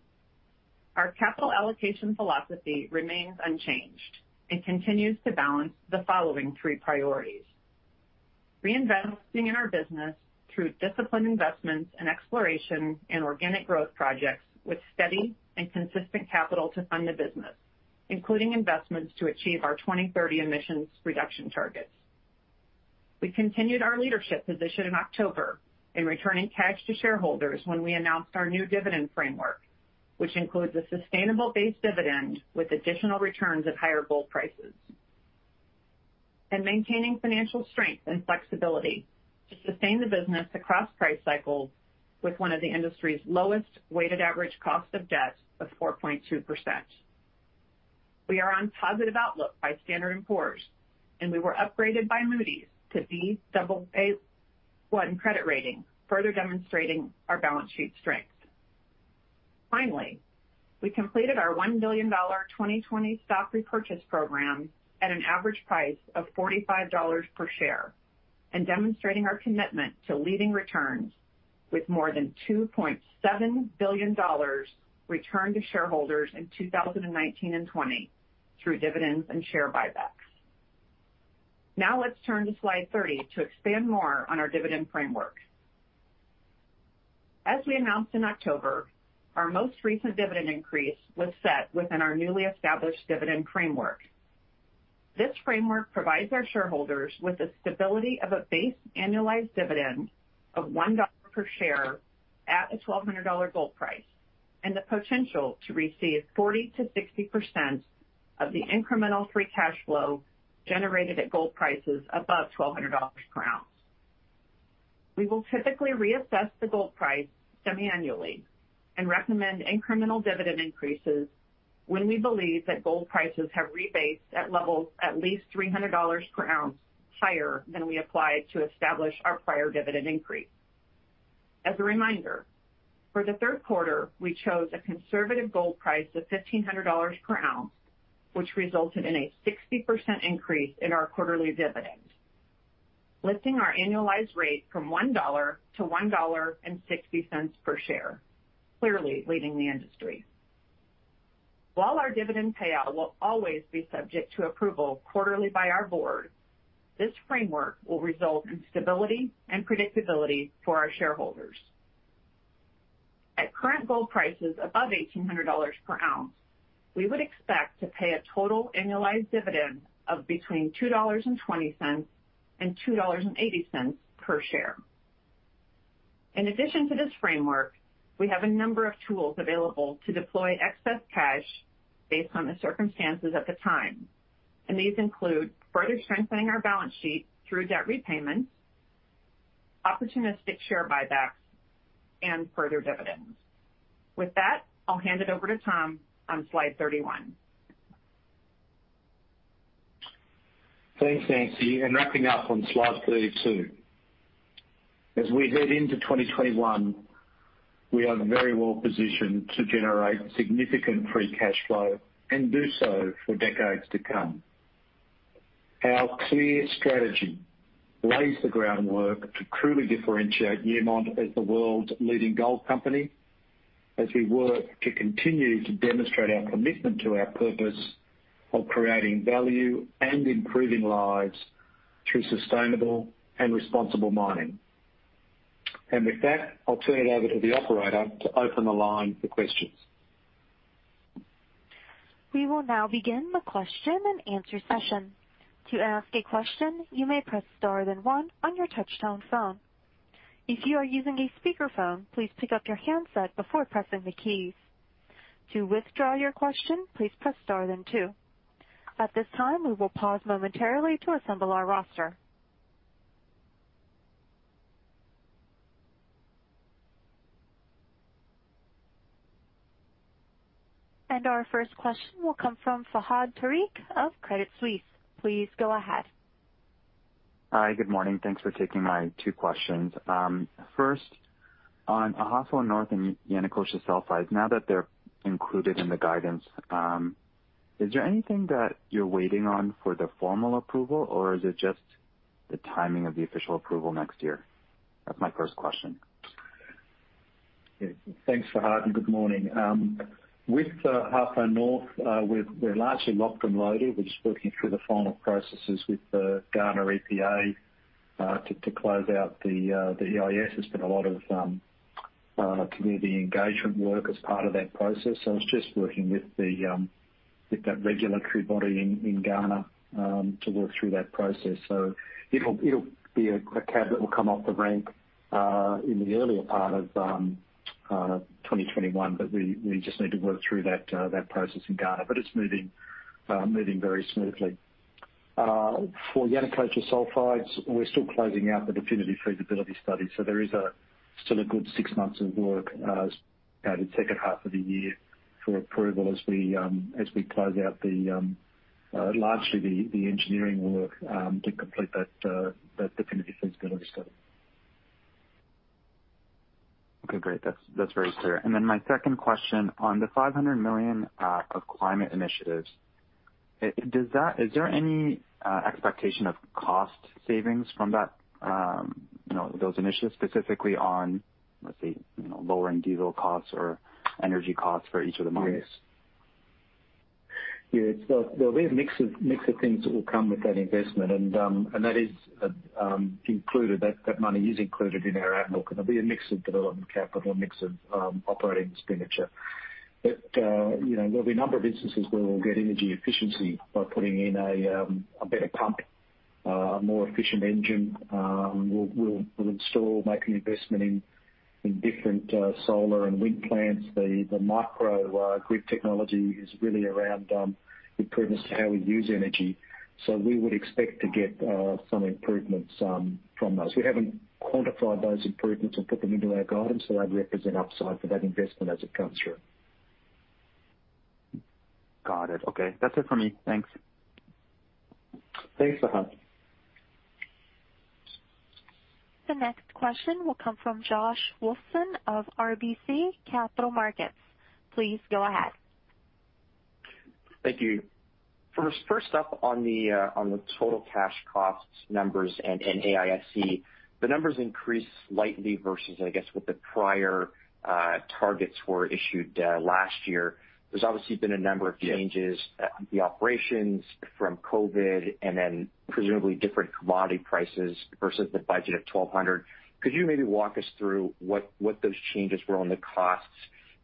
S5: Our capital allocation philosophy remains unchanged. It continues to balance the following three priorities. Reinvesting in our business through disciplined investments in exploration and organic growth projects with steady and consistent capital to fund the business, including investments to achieve our 2030 emissions reduction targets. We continued our leadership position in October in returning cash to shareholders when we announced our new dividend framework, which includes a sustainable base dividend with additional returns at higher gold prices. Maintaining financial strength and flexibility to sustain the business across price cycles with one of the industry's lowest weighted average cost of debt of 4.2%. We are on positive outlook by Standard & Poor's, and we were upgraded by Moody's to Baa1 credit rating, further demonstrating our balance sheet strength. Finally, we completed our $1 billion 2020 stock repurchase program at an average price of $45 per share, and demonstrating our commitment to leading returns with more than $2.7 billion returned to shareholders in 2019 and 2020 through dividends and share buybacks. Let's turn to slide 30 to expand more on our dividend framework. As we announced in October, our most recent dividend increase was set within our newly established dividend framework. This framework provides our shareholders with the stability of a base annualized dividend of $1 per share at a $1,200 gold price, and the potential to receive 40%-60% of the incremental free cash flow generated at gold prices above $1,200 per ounce. We will typically reassess the gold price semi-annually and recommend incremental dividend increases when we believe that gold prices have rebased at levels at least $300 per ounce higher than we applied to establish our prior dividend increase. As a reminder, for the third quarter, we chose a conservative gold price of $1,500 per ounce, which resulted in a 60% increase in our quarterly dividend, lifting our annualized rate from $1-$1.60 per share, clearly leading the industry. While our dividend payout will always be subject to approval quarterly by our board, this framework will result in stability and predictability for our shareholders. At current gold prices above $1,800 per ounce, we would expect to pay a total annualized dividend of between $2.20 and $2.80 per share. In addition to this framework, we have a number of tools available to deploy excess cash based on the circumstances at the time. These include further strengthening our balance sheet through debt repayments, opportunistic share buybacks, and further dividends. With that, I'll hand it over to Tom on slide 31.
S3: Thanks, Nancy. Wrapping up on slide 32. As we head into 2021, we are very well positioned to generate significant free cash flow and do so for decades to come. Our clear strategy lays the groundwork to truly differentiate Newmont as the world's leading gold company, as we work to continue to demonstrate our commitment to our purpose of creating value and improving lives through sustainable and responsible mining. With that, I'll turn it over to the operator to open the line for questions.
S1: We will now begin the question and answer session. To ask a question you may press star then one on your touchtone phone. If you are using a speakerphone, please pick up your handset before pressing the key. To withdraw your question, please press star then two. At this time, we will pause momentarily to assemble our roster. Our first question will come from Fahad Tariq of Credit Suisse. Please go ahead.
S6: Hi. Good morning. Thanks for taking my two questions. First, on Ahafo North and Yanacocha Sulfides, now that they're included in the guidance, is there anything that you're waiting on for the formal approval, or is it just the timing of the official approval next year? That's my first question.
S3: Yeah. Thanks, Fahad, good morning. With Ahafo North, we're largely locked and loaded. We're just working through the final processes with the Ghana EPA, to close out the EIS. There's been a lot of community engagement work as part of that process. I was just working with that regulatory body in Ghana to work through that process. It'll be a cab that will come off the rank, in the earlier part of 2021. We just need to work through that process in Ghana. It's moving very smoothly. For Yanacocha Sulfides, we're still closing out the definitive feasibility study. There is still a good six months of work, as at the second half of the year, for approval as we close out largely the engineering work, to complete that definitive feasibility study.
S6: Okay, great. That's very clear. My second question, on the $500 million of climate initiatives, is there any expectation of cost savings from those initiatives, specifically on, let's say, lowering diesel costs or energy costs for each of the mines?
S3: Yeah. There'll be a mix of things that will come with that investment, and that money is included in our outlook, and it'll be a mix of development capital, a mix of operating expenditure. There'll be a number of instances where we'll get energy efficiency by putting in a better pump, a more efficient engine. We'll install, make an investment in different solar and wind plants. The microgrid technology is really around improvements to how we use energy. We would expect to get some improvements from those. We haven't quantified those improvements and put them into our guidance, they'd represent upside for that investment as it comes through.
S6: Got it. Okay. That's it for me. Thanks.
S3: Thanks, Fahad.
S1: The next question will come from Josh Wolfson of RBC Capital Markets. Please go ahead.
S7: Thank you. First up, on the total cash cost numbers and AISC, the numbers increased slightly versus, I guess, what the prior targets were issued last year. There's obviously been a number of changes.
S3: Yeah
S7: The operations from COVID-19 and then presumably different commodity prices versus the budget of $1,200. Could you maybe walk us through what those changes were on the costs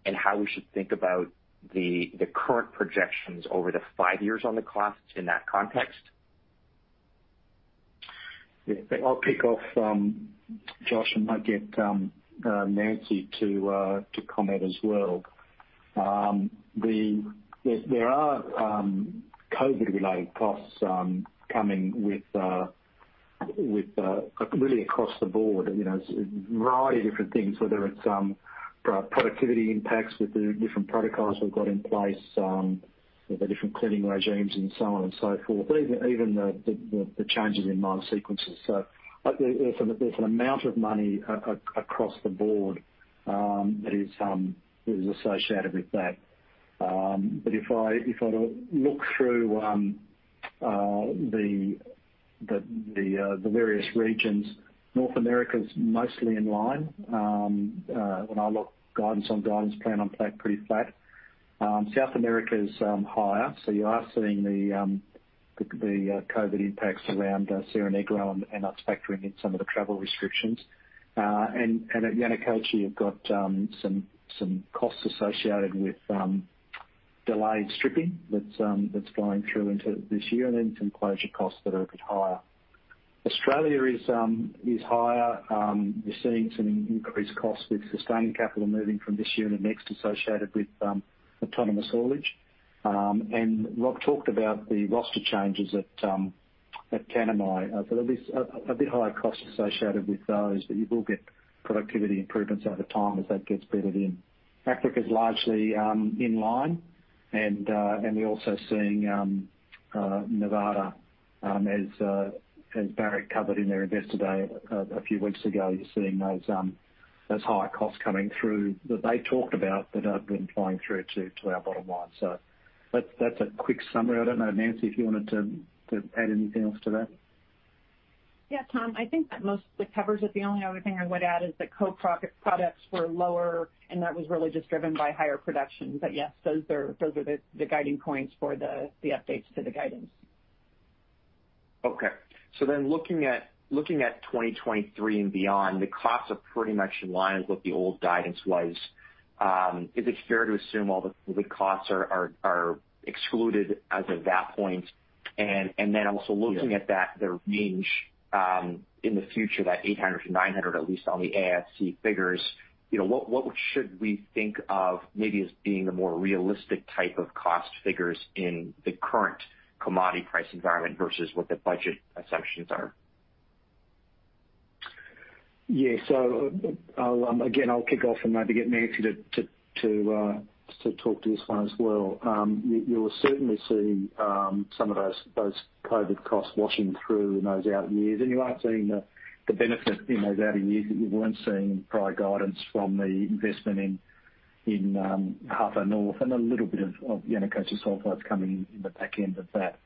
S7: and how we should think about the current projections over the five years on the costs in that context?
S3: Yeah. I'll kick off, Josh, and might get Nancy to comment as well. There are COVID-19-related costs coming really across the board. A variety of different things, whether it's productivity impacts with the different protocols we've got in place, with the different cleaning regimes and so on and so forth, even the changes in mine sequences. There's an amount of money across the board, that is associated with that. If I look through the various regions, North America's mostly in line. When I look guidance on guidance plan on plan, pretty flat. South America's higher, so you are seeing the COVID-19 impacts around Cerro Negro, and that's factoring in some of the travel restrictions. At Yanacocha, you've got some costs associated with delayed stripping that's going through into this year and then some closure costs that are a bit higher. Australia is higher. You're seeing some increased costs with sustaining capital moving from this year and next associated with autonomous haulage. Rob talked about the roster changes at Tanami. There'll be a bit higher cost associated with those, but you will get productivity improvements over time as that gets bedded in. Africa's largely in line. We're also seeing Nevada. As Barrick covered in their Investor Day a few weeks ago, you're seeing those higher costs coming through that they talked about that have been flowing through to our bottom line. That's a quick summary. I don't know, Nancy, if you wanted to add anything else to that.
S5: Yeah, Tom, I think that mostly covers it. The only other thing I would add is that co-products were lower, and that was really just driven by higher production. Yes, those are the guiding points for the updates to the guidance.
S7: Okay. Looking at 2023 and beyond, the costs are pretty much in line with the old guidance was. Is it fair to assume all the COVID-19 costs are excluded as of that point? Also looking at that, the range, in the future, that $800-$900, at least on the AISC figures, what should we think of maybe as being the more realistic type of cost figures in the current commodity price environment versus what the budget assumptions are?
S3: Yeah. Again, I'll kick off and maybe get Nancy to talk to this one as well. You will certainly see some of those COVID-19 costs washing through in those out years. You are seeing the benefit in those out years that you weren't seeing in prior guidance from the investment in Ahafo North and a little bit of Yanacocha Sulfides coming in the back end of that.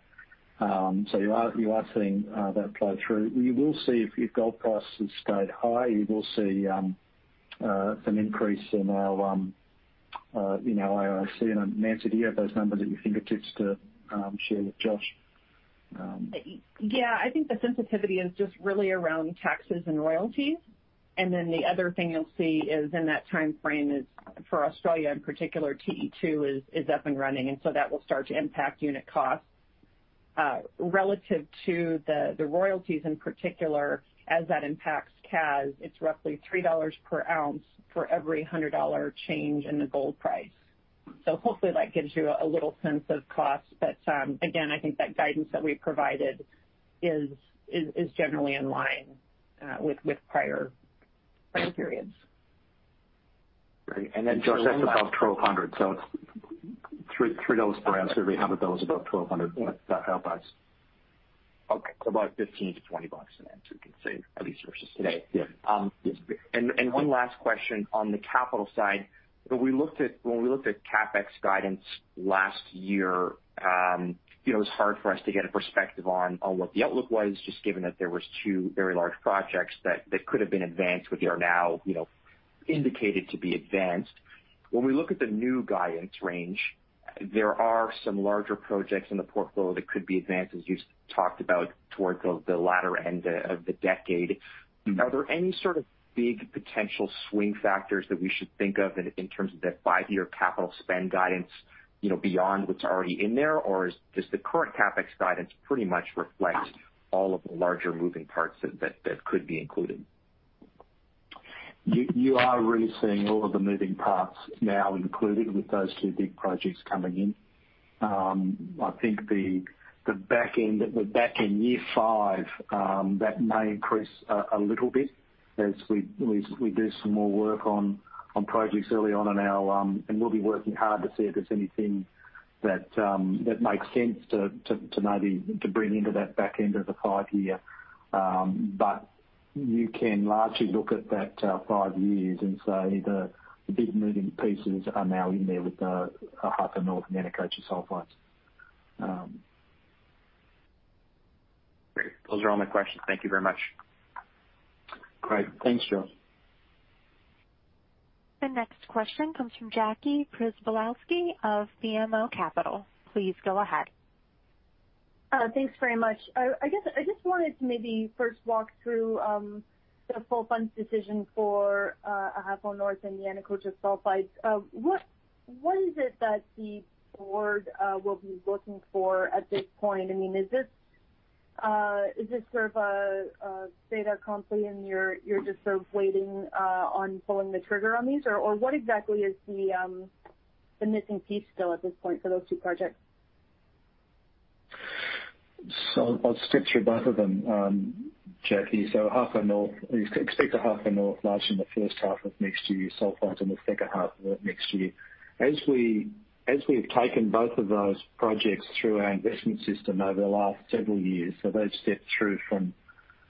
S3: You are seeing that flow through. You will see, if gold prices stayed high, you will see some increase in our AISC. Nancy, do you have those numbers at your fingertips to share with Josh?
S5: Yeah, I think the sensitivity is just really around taxes and royalties. The other thing you'll see is in that timeframe is for Australia in particular, TE2 is up and running, that will start to impact unit costs. Relative to the royalties in particular, as that impacts CAS, it's roughly $3 per ounce for every $100 change in the gold price. Hopefully that gives you a little sense of cost. I think that guidance that we provided is generally in line with prior periods.
S7: Great.
S3: Josh, that's about $1,200. It's $3 per ounce, every $100, about $1,200. That helps.
S7: Okay, about $15-$20, Nancy, we can save at least versus today.
S3: Yeah.
S7: One last question on the capital side. When we looked at CapEx guidance last year, it was hard for us to get a perspective on what the outlook was, just given that there was two very large projects that could have been advanced, which are now indicated to be advanced. When we look at the new guidance range, there are some larger projects in the portfolio that could be advanced, as you talked about towards the latter end of the decade. Are there any sort of big potential swing factors that we should think of in terms of that five-year capital spend guidance, beyond what's already in there? Or does the current CapEx guidance pretty much reflect all of the larger moving parts that could be included?
S3: You are really seeing all of the moving parts now included with those two big projects coming in. I think the back end, year five, that may increase a little bit as we do some more work on projects early on. We'll be working hard to see if there's anything that makes sense to maybe bring into that back end of the five-year. You can largely look at that five years and say the big moving pieces are now in there with the Ahafo North and Yanacocha Sulfides.
S7: Great. Those are all my questions. Thank you very much.
S3: Great. Thanks, Josh.
S1: The next question comes from Jackie Przybylowski of BMO Capital. Please go ahead.
S8: Thanks very much. I just wanted to maybe first walk through the full funds decision for Ahafo North and Yanacocha Sulfides. What is it that the board will be looking for at this point? Is this sort of a stay there company, and you're just sort of waiting on pulling the trigger on these? What exactly is the missing piece still at this point for those two projects?
S3: I'll skip through both of them, Jackie. Expect the Ahafo North launch in the first half of next year, Sulfides in the second half of next year. As we've taken both of those projects through our investment system over the last several years, so they've stepped through from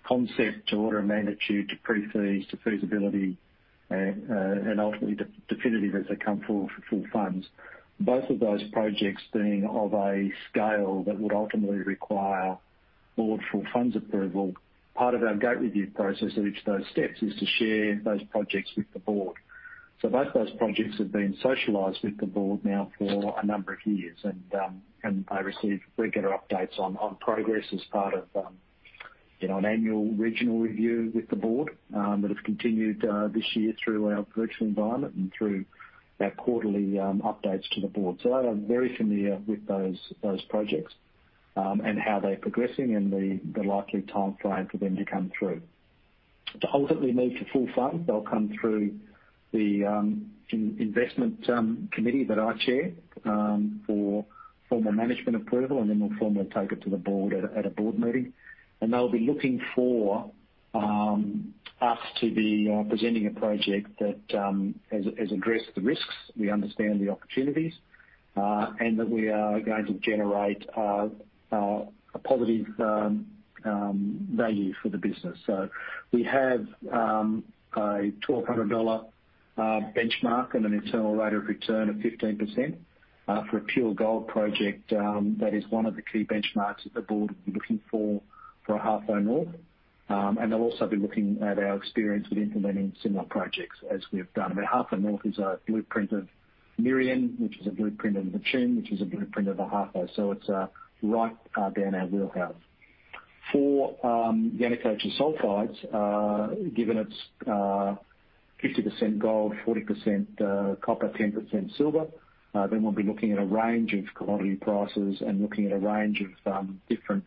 S3: concept to order of magnitude, to pre-feas, to feasibility and ultimately definitive as they come forward for full funds. Both of those projects being of a scale that would ultimately require board full funds approval. Part of our gate review process at each of those steps is to share those projects with the board. Both those projects have been socialized with the board now for a number of years. They receive regular updates on progress as part of an annual regional review with the board, that have continued this year through our virtual environment and through our quarterly updates to the board. They are very familiar with those projects, and how they're progressing and the likely timeframe for them to come through. To ultimately move to full fund, they'll come through the investment committee that I chair, for formal management approval, and then we'll formally take it to the board at a board meeting. They'll be looking for us to be presenting a project that has addressed the risks, we understand the opportunities, and that we are going to generate a positive value for the business. We have a $1,200 benchmark and an internal rate of return of 15% for a pure gold project. That is one of the key benchmarks that the board will be looking for Ahafo North. They'll also be looking at our experience with implementing similar projects as we have done. Ahafo North is a blueprint of Merian, which is a blueprint of the Akyem, which is a blueprint of Ahafo. It's right down our wheelhouse. For Yanacocha Sulfides, given it's 50% gold, 40% copper, 10% silver, we'll be looking at a range of commodity prices and looking at a range of different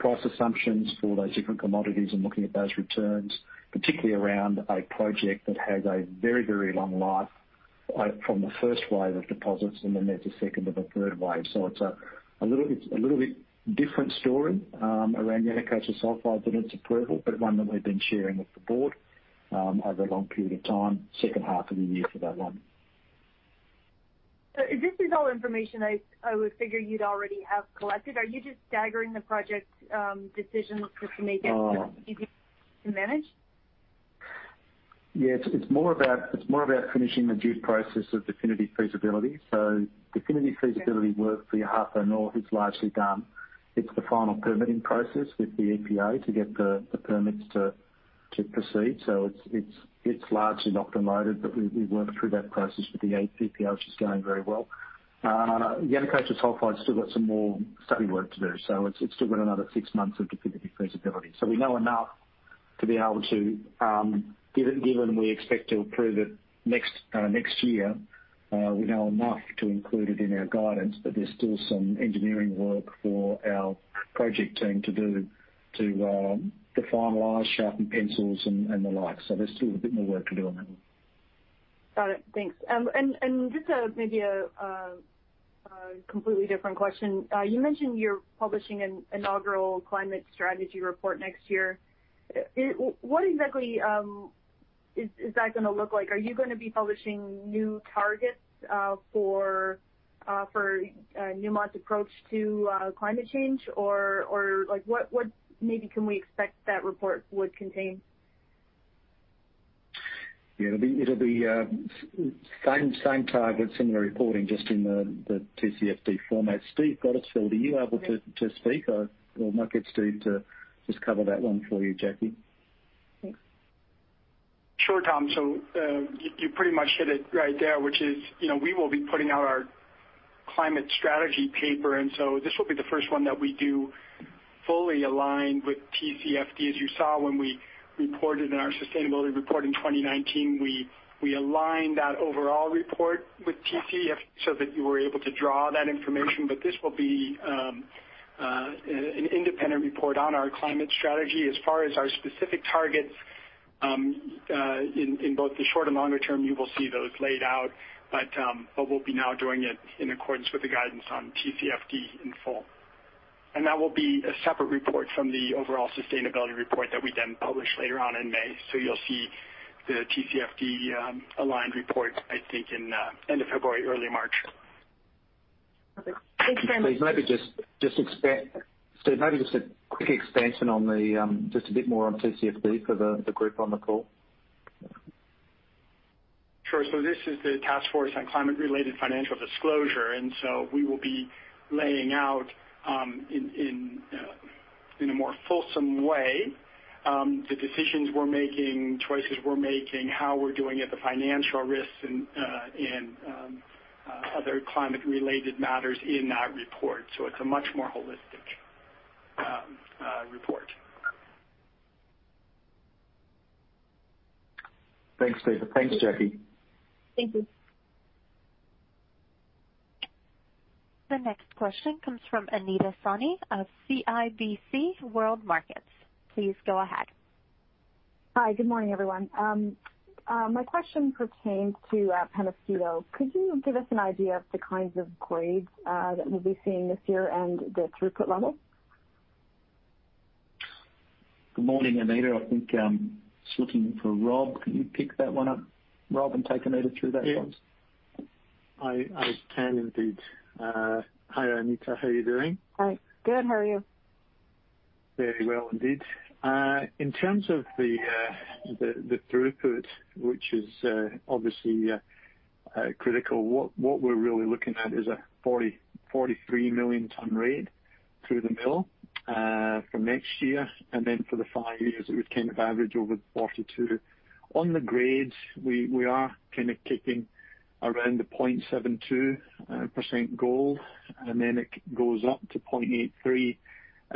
S3: price assumptions for those different commodities and looking at those returns, particularly around a project that has a very, very long life from the first wave of deposits, and then there's a second and a third wave. It's a little bit different story around Yanacocha Sulfides and its approval, but one that we've been sharing with the board over a long period of time, second half of the year for that one.
S8: This is all information I would figure you'd already have collected. Are you just staggering the project decisions just to make it easier to manage?
S3: Yes. It's more about finishing the due process of definitive feasibility. Definitive feasibility work for Ahafo North is largely done. It's the final permitting process with the EPA to get the permits to proceed. It's largely locked and loaded, but we work through that process with the EPA, which is going very well. Yanacocha Sulfide's still got some more study work to do. It's still got another six months of definitive feasibility. We know enough to be able to, given we expect to approve it next year, we know enough to include it in our guidance. There's still some engineering work for our project team to do to finalize sharpen pencils and the like. There's still a bit more work to do on that one.
S8: Got it. Thanks. Just maybe a completely different question. You mentioned you're publishing an inaugural Climate Strategy report next year. What exactly is that going to look like? Are you going to be publishing new targets for Newmont's approach to climate change? What maybe can we expect that report would contain?
S3: Yeah. It'll be same target, similar reporting just in the TCFD format. Steve Gottesfeld, are you able to speak? I might get Steve to just cover that one for you, Jackie.
S8: Thanks.
S9: Sure, Tom. You pretty much hit it right there, which is we will be putting out our Climate Strategy paper. This will be the first one that we do fully aligned with TCFD. As you saw when we reported in our sustainability report in 2019, we aligned that overall report with TCFD so that you were able to draw that information. This will be an independent report on our Climate Strategy as far as our specific targets, in both the short and longer term, you will see those laid out. We'll be now doing it in accordance with the guidance on TCFD in full. That will be a separate report from the overall sustainability report that we then publish later on in May. You'll see the TCFD-aligned report, I think, in end of February, early March.
S8: Okay. Thanks very much.
S3: Steve, maybe just a quick expansion, just a bit more on TCFD for the group on the call.
S9: Sure. This is the Task Force on Climate-related Financial Disclosures, we will be laying out in a more fulsome way the decisions we're making, choices we're making, how we're doing at the financial risks and other climate-related matters in that report. It's a much more holistic report.
S3: Thanks, Steve. Thanks, Jackie.
S8: Thank you.
S1: The next question comes from Anita Soni of CIBC World Markets. Please go ahead.
S10: Hi. Good morning, everyone. My question pertains to Peñasquito. Could you give us an idea of the kinds of grades that we'll be seeing this year and the throughput level?
S3: Good morning, Anita. I think I'm just looking for Rob. Can you pick that one up, Rob, and take Anita through that for us?
S4: Yeah. I can indeed. Hi, Anita. How are you doing?
S10: Hi. Good. How are you?
S4: Very well, indeed. In terms of the throughput, which is obviously critical, what we're really looking at is a 43 million ton rate through the mill for next year. For the five years, it would kind of average over 42. On the grades, we are kind of kicking around the 0.72% gold, and then it goes up to 0.83%.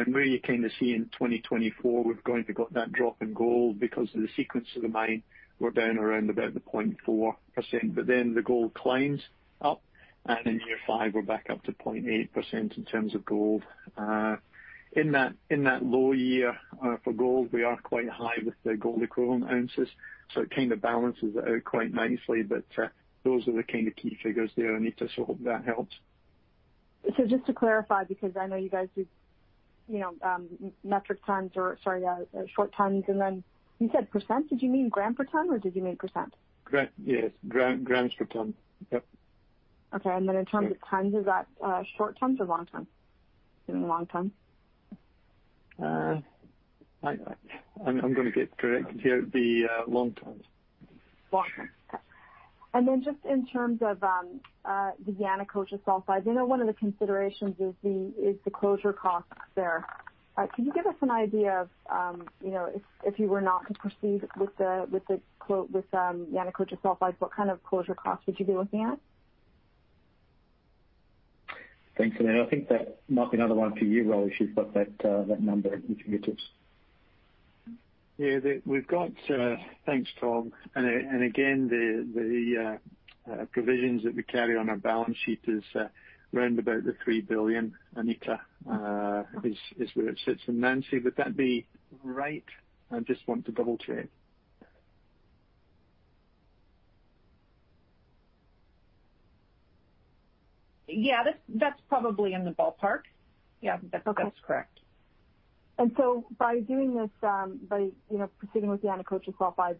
S4: Where you kind of see in 2024, we've going to got that drop in gold because of the sequence of the mine. We're down around about the 0.4%, but then the gold climbs up, and in year five we're back up to 0.8% in terms of gold. In that low year for gold, we are quite high with the gold equivalent ounces. It kind of balances it out quite nicely. Those are the kind of key figures there, Anita. Hope that helps.
S10: Just to clarify, because I know you guys do metric tons or, sorry, short tons, and then you said percentage, did you mean gram per ton or did you mean percent?
S4: Yes, grams per ton. Yep.
S10: Okay. In terms of tons, is that short tons or long tons? You mean long ton?
S4: I'm going to get corrected here. The long tons.
S10: Long ton. Okay. Just in terms of the Yanacocha Sulfides, you know one of the considerations is the closure costs there. Can you give us an idea of, if you were not to proceed with the Yanacocha Sulfides, what kind of closure costs would you be looking at?
S3: Thanks, Anita. I think that might be another one for you, Rob, if you've got that number, if you can get it.
S4: Yeah. Thanks, Tom. Again, the provisions that we carry on our balance sheet is around about the $3 billion, Anita, is where it sits. Nancy, would that be right? I just want to double-check.
S5: Yeah, that's probably in the ballpark. Yeah, that's correct.
S10: Okay. By proceeding with Yanacocha Sulfides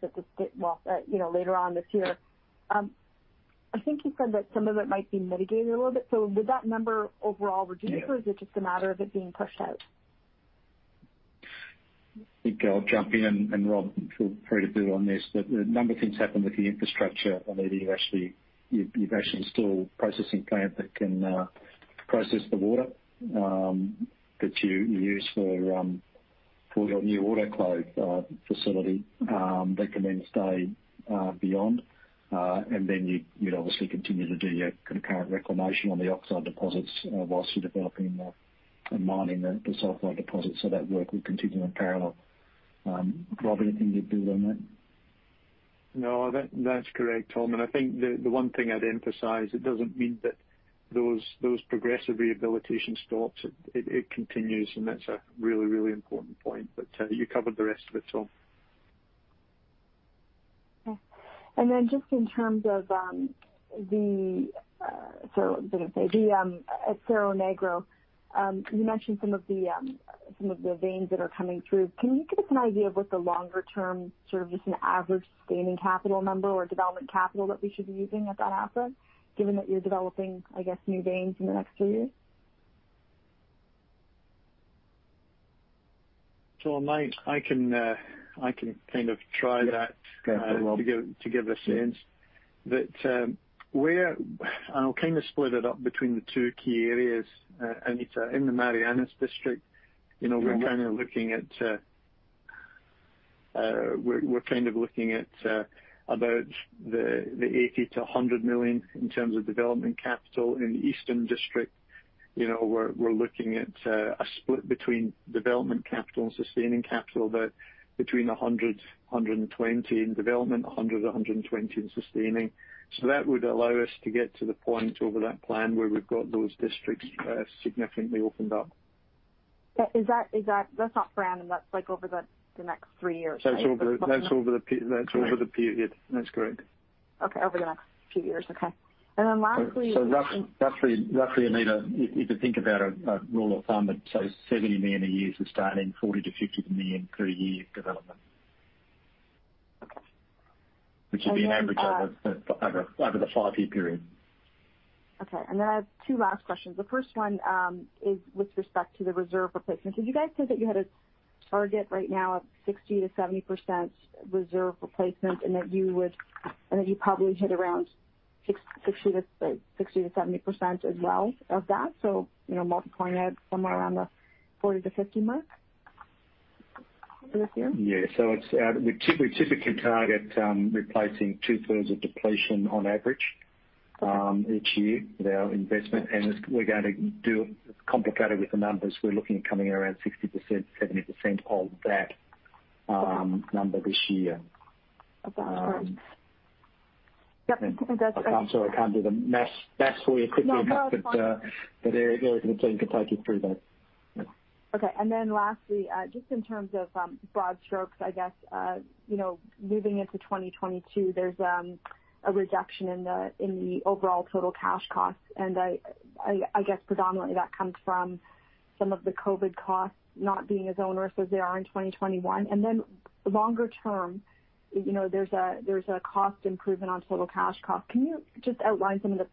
S10: later on this year, I think you said that some of it might be mitigated a little bit. Would that number overall reduce?
S4: Yeah
S10: Is it just a matter of it being pushed out?
S3: I think I'll jump in, and Rob feel free to build on this. A number of things happen with the infrastructure, Anita. You've actually installed a processing plant that can process the water that you use for your new water treatment facility. That can stay beyond. You'd obviously continue to do your concurrent reclamation on the oxide deposits while you're developing and mining the sulfide deposits. That work would continue in parallel. Rob, anything you'd build on that?
S4: No, that's correct, Tom. I think the one thing I'd emphasize, it doesn't mean that those progressive rehabilitation stops. It continues, and that's a really important point. You covered the rest of it, Tom.
S10: Okay. Just in terms of Cerro Negro, you mentioned some of the veins that are coming through. Can you give us an idea of what the longer-term, just an average sustaining capital number or development capital that we should be using at that asset, given that you're developing, I guess, new veins in the next few years?
S4: I can kind of try that.
S3: Go for it, Rob
S4: to give a sense. I'll split it up between the two key areas. Anita, in the Marianas district, we're kind of looking at about $80 million-$100 million in terms of development capital. In the Eastern district, we're looking at a split between development capital and sustaining capital, but between $120 million in development, $100 million-$120 million in sustaining. That would allow us to get to the point over that plan where we've got those districts significantly opened up.
S10: That's not random. That's over the next three years, right?
S4: That's over the period. That's correct.
S10: Okay. Over the next few years. Okay.
S3: Roughly, Anita, if you think about a rule of thumb, that says $70 million a year sustaining, $40 million-$50 million per year development. Which will be an average over the five-year period.
S10: Okay. I have two last questions. The first one is with respect to the reserve replacement. You guys said that you had a target right now of 60%-70% reserve replacement, and that you'd probably hit around 60%-70% as well of that. Multiplying that somewhere around the 40%-50% mark for this year?
S3: Yeah. We typically target replacing 2/3 of depletion on average each year with our investment. We're going to do it's complicated with the numbers. We're looking at coming in around 60%, 70% of that number this year.
S10: Of that. Correct. Yep.
S3: I'm sorry, I can't do the math for you quickly enough.
S10: No, no. That's fine.
S3: Eric and the team can take you through that.
S10: Okay. Lastly, just in terms of broad strokes, I guess, moving into 2022, there's a reduction in the overall total cash costs. I guess predominantly that comes from some of the COVID-19 costs not being as onerous as they are in 2021. Longer term, there's a cost improvement on total cash costs. Can you just outline some of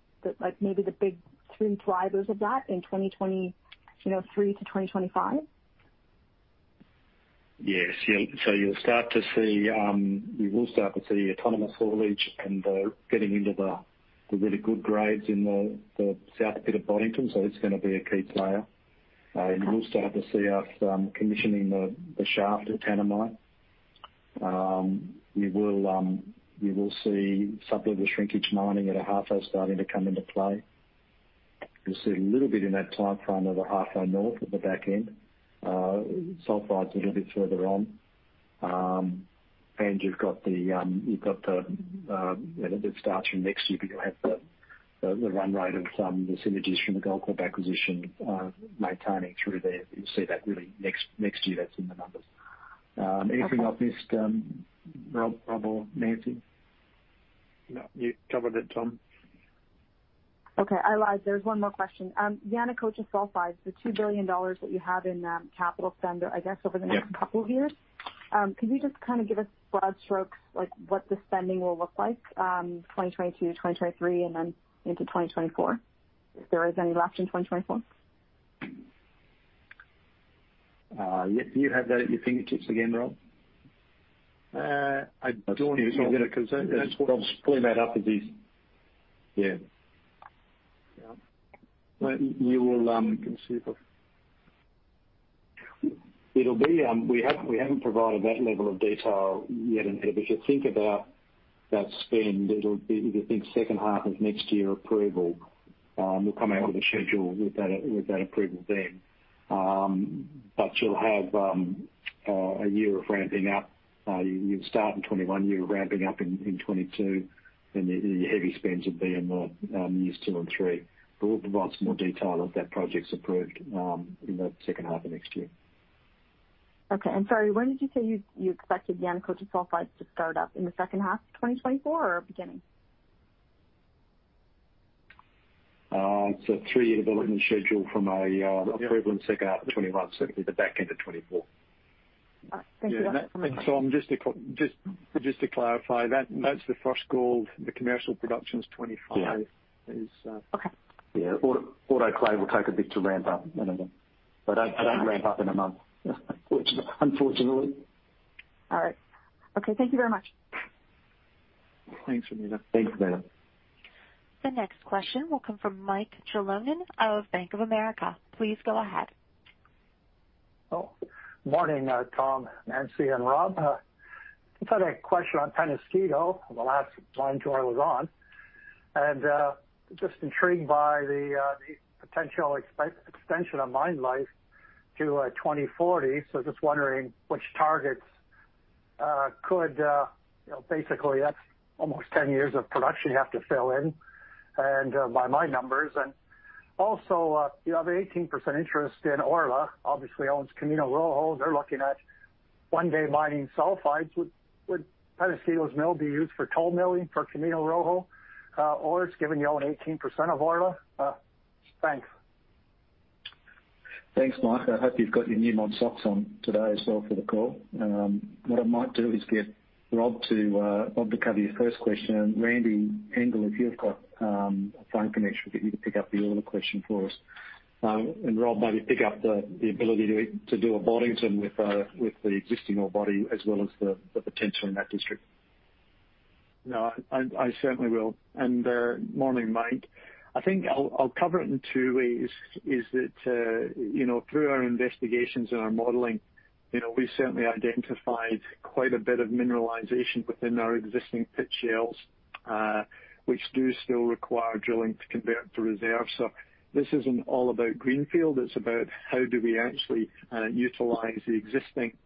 S10: maybe the big three drivers of that in 2023 to 2025?
S3: Yes. You will start to see autonomous haulage and getting into the really good grades in the South Pit of Boddington. It's going to be a key player. You will start to see us commissioning the shaft at Yanacocha. You will see some of the sublevel shrinkage mining at Ahafo starting to come into play. You'll see a little bit in that timeframe of Ahafo North at the back end. Sulfide's a little bit further on. It starts from next year, but you'll have the run rate of the synergies from the Goldcorp acquisition maintaining through there. You'll see that really next year, that's in the numbers. Anything I've missed, Rob or Nancy?
S4: No, you covered it, Tom.
S10: Okay. I lied. There's one more question. Yanacocha Sulfides, the $2 billion that you have in capital spend, I guess, over the next-
S3: Yeah
S10: couple of years. Could you just give us broad strokes, like what the spending will look like, 2022, 2023, and then into 2024, if there is any left in 2024?
S3: Do you have that at your fingertips again, Rob?
S4: I don't, off the top of my head.
S3: That's what I'll split out as is.
S4: Yeah.
S3: You will-
S4: Let me see if I
S3: We haven't provided that level of detail yet, Anita, if you think about that spend, if you think second half of next year approval, we'll come out with a schedule with that approval then. You'll have a year of ramping up. You'll start in 2021, you're ramping up in 2022, then your heavy spends will be in the years two and three. We'll provide some more detail if that project's approved in the second half of next year.
S10: Okay. Sorry, when did you say you expected Yanacocha Sulfides to start up, in the second half of 2024 or beginning?
S3: It's a three-year development schedule from.
S4: Yeah
S3: approval in the second half of 2021, so it'll be the back end of 2024.
S10: Thank you very much.
S4: Just to clarify, that's the firs gold. The commercial production's 2025.
S3: Yeah.
S10: Okay.
S3: Yeah. Autoclave will take a bit to ramp up. They don't ramp up in a month, unfortunately.
S10: All right. Okay. Thank you very much.
S4: Thanks, Anita.
S3: Thanks, Anita.
S1: The next question will come from Mike Jalonen of Bank of America. Please go ahead.
S11: Morning, Tom, Nancy, and Rob. Just had a question on Peñasquito from the last time I was on. Just intrigued by the potential extension of mine life to 2040. Just wondering which targets could Basically, that's almost 10 years of production you have to fill in by my numbers. Also, you have an 18% interest in Orla, obviously owns Camino Rojo. They're looking at one day mining sulfides. Would Peñasquito's mill be used for toll milling for Camino Rojo? Orla's given you all an 18% of Orla. Thanks.
S3: Thanks, Mike. I hope you've got your Newmont socks on today as well for the call. What I might do is get Rob to cover your first question, and Randy Engel, if you've got a phone connection, we'll get you to pick up the Orla question for us. Rob, maybe pick up the ability to do a Boddington with the existing ore body as well as the potential in that district.
S4: No, I certainly will. Morning, Mike. I think I'll cover it in two ways, is that through our investigations and our modeling, we certainly identified quite a bit of mineralization within our existing pit shells, which do still require drilling to convert to reserve. This isn't all about greenfield, it's about how do we actually utilize the existing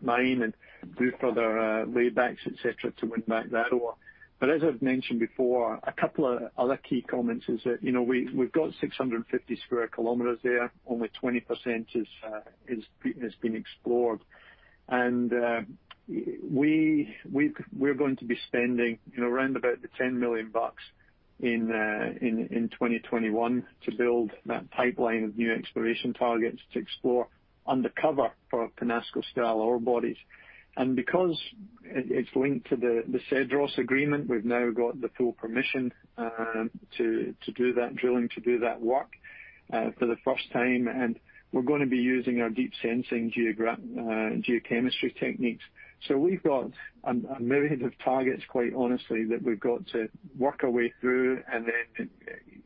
S4: mine and do further laybacks, et cetera, to win back that ore. As I've mentioned before, a couple of other key comments is that we've got 650 sq km there. Only 20% has been explored. We're going to be spending around about the $10 million in 2021 to build that pipeline of new exploration targets to explore undercover for Peñasquito-style ore bodies. Because it's linked to the Cedros agreement, we've now got the full permission to do that drilling, to do that work for the first time. We're going to be using our deep sensing geochemistry techniques. We've got a myriad of targets, quite honestly, that we've got to work our way through and then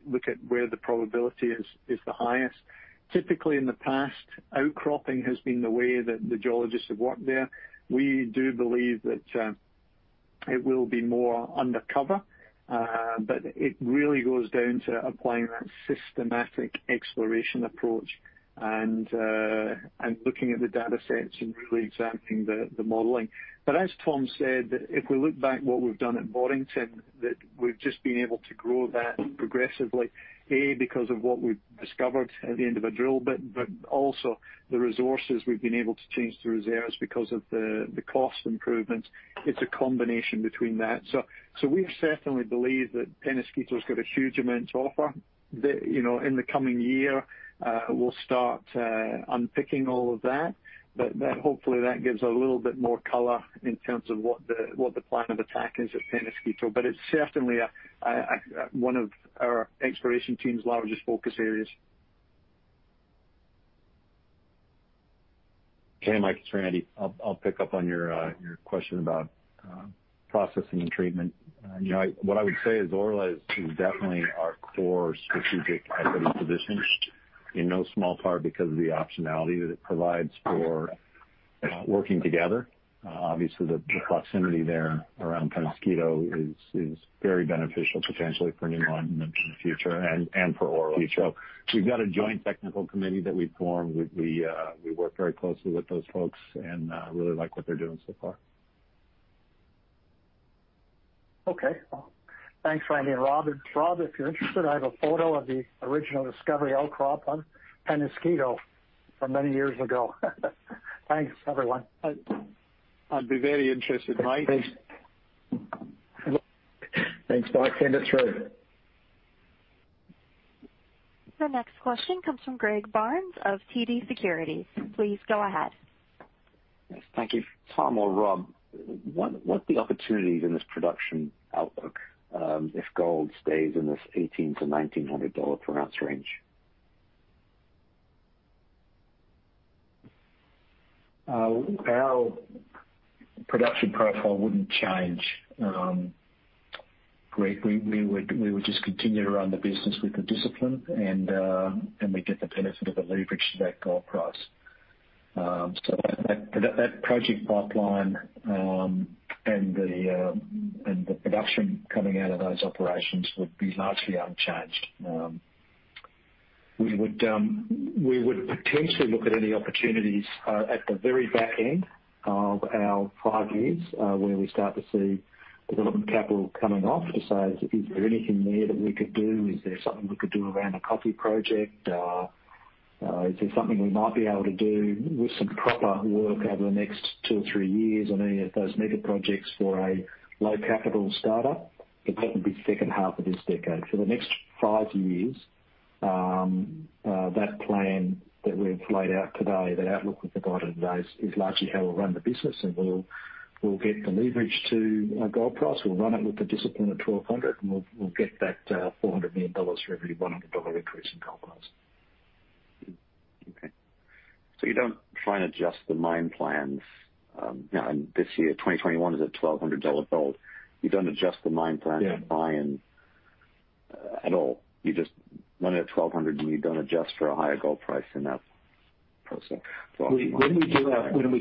S4: look at where the probability is the highest. Typically, in the past, outcropping has been the way that the geologists have worked there. We do believe that it will be more undercover. It really goes down to applying that systematic exploration approach and looking at the data sets and really examining the modeling. As Tom said, if we look back what we've done at Boddington, that we've just been able to grow that progressively, A, because of what we've discovered at the end of a drill bit, but also the resources we've been able to change to reserves because of the cost improvements. It's a combination between that. We certainly believe that Peñasquito's got a huge amount to offer. In the coming year, we'll start unpicking all of that. Hopefully, that gives a little bit more color in terms of what the plan of attack is at Peñasquito. It's certainly one of our exploration team's largest focus areas.
S12: Okay. Mike, it’s Randy. I’ll pick up on your question about processing and treatment. What I would say is Orla is definitely our core strategic equity position, in no small part because of the optionality that it provides for working together. The proximity there around Peñasquito is very beneficial potentially for Newmont in the future and for Orla. We’ve got a joint technical committee that we formed. We work very closely with those folks and really like what they’re doing so far.
S11: Okay. Thanks, Randy and Rob. Rob, if you're interested, I have a photo of the original discovery outcrop on Peñasquito. From many years ago. Thanks, everyone.
S4: I'd be very interested, mate.
S11: Thanks.
S4: Thanks, Mike. Send it through.
S1: The next question comes from Greg Barnes of TD Securities. Please go ahead.
S13: Yes, thank you. Tom or Rob, what are the opportunities in this production outlook if gold stays in this $1,800-$1,900 per ounce range?
S3: Our production profile wouldn't change, Greg. We would just continue to run the business with the discipline and we get the benefit of the leverage to that gold price. That project pipeline and the production coming out of those operations would be largely unchanged. We would potentially look at any opportunities at the very back end of our five years, where we start to see development capital coming off to say, "Is there anything there that we could do? Is there something we could do around a copper project? Is there something we might be able to do with some proper work over the next two or three years on any of those mega projects for a low capital startup?" That would be the second half of this decade. For the next five years, that plan that we've laid out today, that outlook we've provided today is largely how we'll run the business. We'll get the leverage to a gold price. We'll run it with the discipline at $1,200, and we'll get that $400 million for every $100 increase in gold price.
S13: Okay. You don't try and adjust the mine plans, and this year, 2021, is at $1,200 gold. You don't adjust the mine plan-
S3: Yeah
S13: by and at all. You just run it at $1,200. You don't adjust for a higher gold price in that process.
S3: When we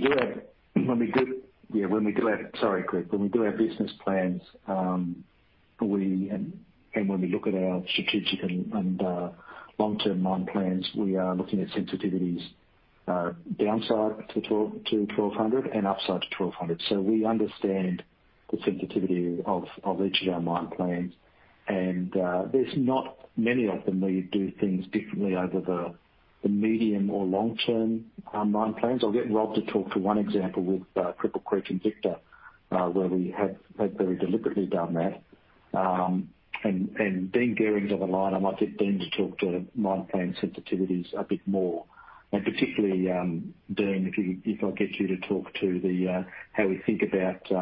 S3: do our business plans, and when we look at our strategic and long-term mine plans, we are looking at sensitivities downside to $1,200 and upside to $1,200. We understand the sensitivity of each of our mine plans. There's not many of them where you do things differently over the medium or long-term mine plans. I'll get Rob to talk to one example with Cripple Creek & Victor, where we have very deliberately done that. Dean Gehring's on the line. I might get Dean to talk to mine plan sensitivities a bit more. Particularly, Dean, if I'll get you to talk to how we think about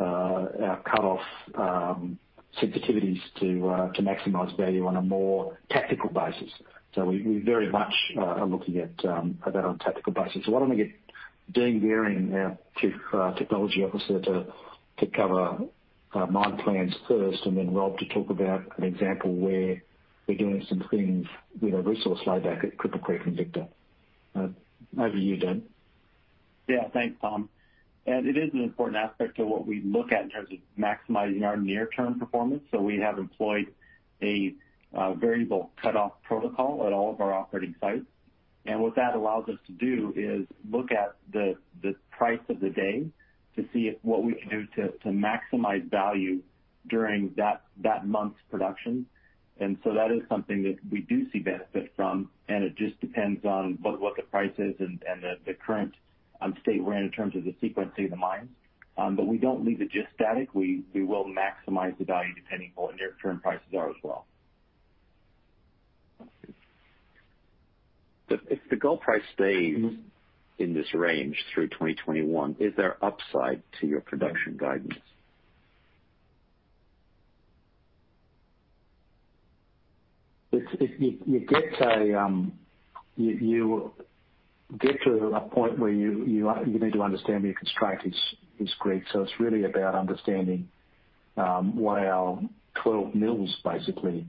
S3: our cutoff sensitivities to maximize value on a more tactical basis. We very much are looking at that on a tactical basis. Why don't we get Dean Gehring, our Chief Technology Officer, to cover our mine plans first, and then Rob to talk about an example where we're doing some things with a resource layback at Cripple Creek & Victor. Over to you, Dean.
S14: Yeah. Thanks, Tom. It is an important aspect of what we look at in terms of maximizing our near-term performance. We have employed a variable cutoff protocol at all of our operating sites. What that allows us to do is look at the price of the day to see what we can do to maximize value during that month's production. That is something that we do see benefit from, and it just depends on both what the price is and the current state we're in in terms of the sequencing of the mines. We don't leave it just static. We will maximize the value depending on what near-term prices are as well.
S13: If the gold price stays in this range through 2021, is there upside to your production guidance?
S3: You get to a point where you need to understand where your constraint is, Greg. It's really about understanding what our 12 mills basically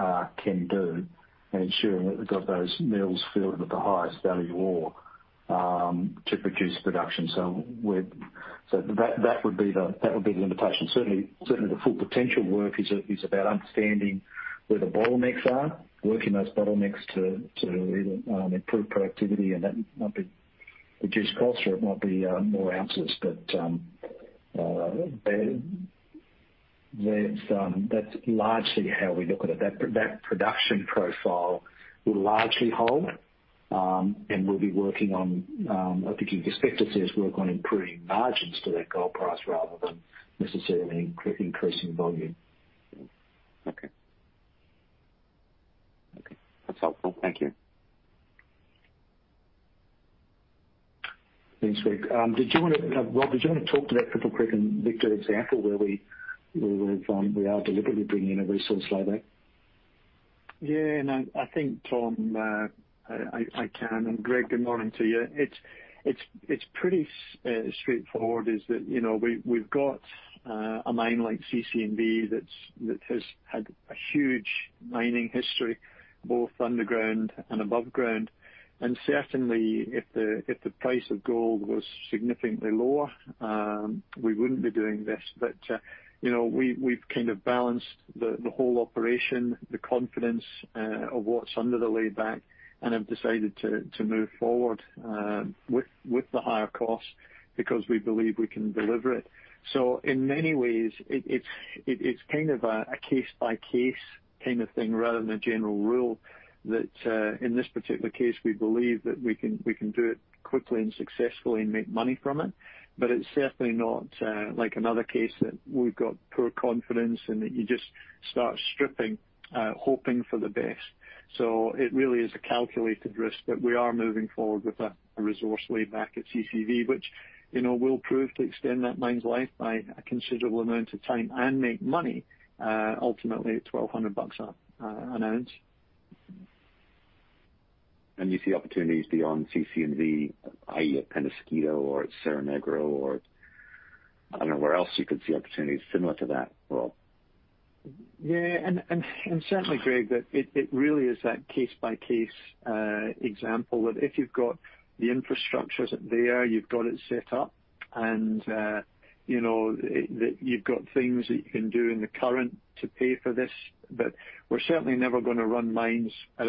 S3: can do and ensuring that we've got those mills filled with the highest value ore to produce production. That would be the limitation. Certainly, the Full Potential work is about understanding where the bottlenecks are, working those bottlenecks to either improve productivity, and that might be reduced cost or it might be more ounces. That's largely how we look at it. That production profile will largely hold. We'll be working on, I think you'd expect us to work on improving margins to that gold price rather than necessarily increasing volume.
S13: Okay. That's helpful. Thank you.
S3: Thanks, Greg. Rob, did you want to talk to that Cripple Creek & Victor example where we are deliberately bringing in a resource layback?
S4: Yeah. I think, Tom, I can. Greg, good morning to you. It's pretty straightforward, is that we've got a mine like CC&V that has had a huge mining history, both underground and above ground. Certainly, if the price of gold was significantly lower, we wouldn't be doing this. We've kind of balanced the whole operation, the confidence of what's under the layback, and have decided to move forward with the higher cost because we believe we can deliver it. In many ways, it's kind of a case-by-case kind of thing rather than a general rule, that in this particular case, we believe that we can do it quickly and successfully and make money from it. It's certainly not like another case that we've got poor confidence and that you just start stripping, hoping for the best. It really is a calculated risk, but we are moving forward with a resource layback at CC&V, which will prove to extend that mine's life by a considerable amount of time and make money, ultimately at $1,200 an ounce.
S13: You see opportunities beyond CC&V, i.e., at Peñasquito or at Cerro Negro, or I don't know where else you could see opportunities similar to that, Rob?
S4: Yeah. Certainly, Greg, that it really is that case-by-case example that if you've got the infrastructures there, you've got it set up, and that you've got things that you can do in the current to pay for this. We're certainly never going to run mines at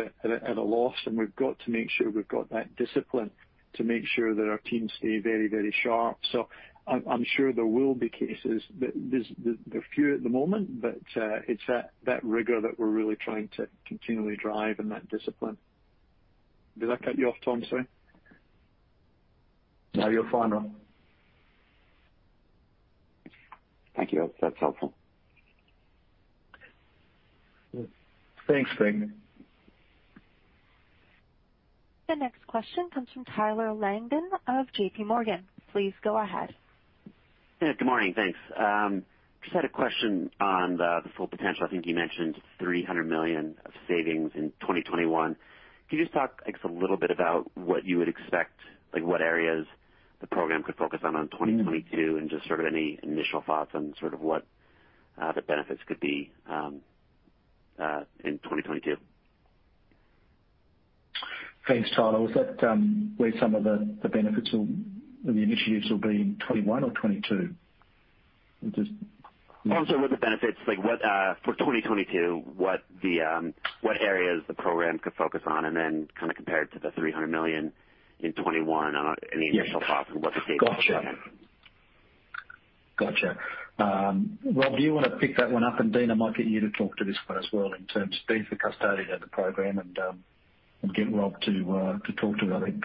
S4: a loss, and we've got to make sure we've got that discipline to make sure that our teams stay very, very sharp. I'm sure there will be cases. There are few at the moment, but it's that rigor that we're really trying to continually drive and that discipline. Did I cut you off, Tom? Sorry.
S3: No, you're fine, Rob.
S13: Thank you. That's helpful.
S4: Thanks, Greg.
S1: The next question comes from Tyler Langton of JPMorgan. Please go ahead.
S15: Yeah, good morning. Thanks. Just had a question on the Full Potential. I think you mentioned $300 million of savings in 2021. Can you just talk, I guess, a little bit about what you would expect, like what areas the program could focus on 2022, and just sort of any initial thoughts on sort of what the benefits could be in 2022?
S3: Thanks, Tyler. Was that where some of the benefits or the initiatives will be in 2021 or 2022? Or just-
S15: I'm sorry, what the benefits, like for 2022, what areas the program could focus on, and then kind of compare it to the $300 million in 2021 on any initial thoughts on what the savings are?
S3: Gotcha. Rob, do you want to pick that one up? Dean, I might get you to talk to this one as well in terms, Dean's the custodian of the program, and get Rob to talk to it. I think,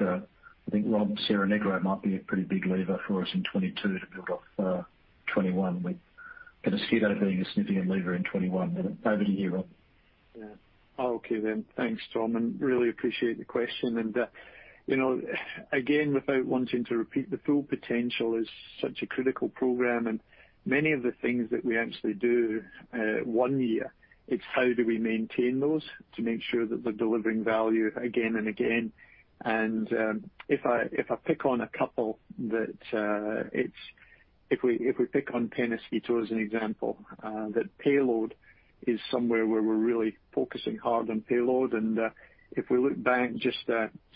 S3: Rob, Cerro Negro might be a pretty big lever for us in 2022 to build off 2021, with Peñasquito being a significant lever in 2021. Over to you, Rob.
S4: Yeah. Okay, then. Thanks, Tom. Really appreciate the question. Again, without wanting to repeat, the Full Potential is such a critical program, and many of the things that we actually do, one year, it's how do we maintain those to make sure that they're delivering value again and again. If I pick on a couple, if we pick on Peñasquito as an example, that payload is somewhere where we're really focusing hard on payload. If we look back just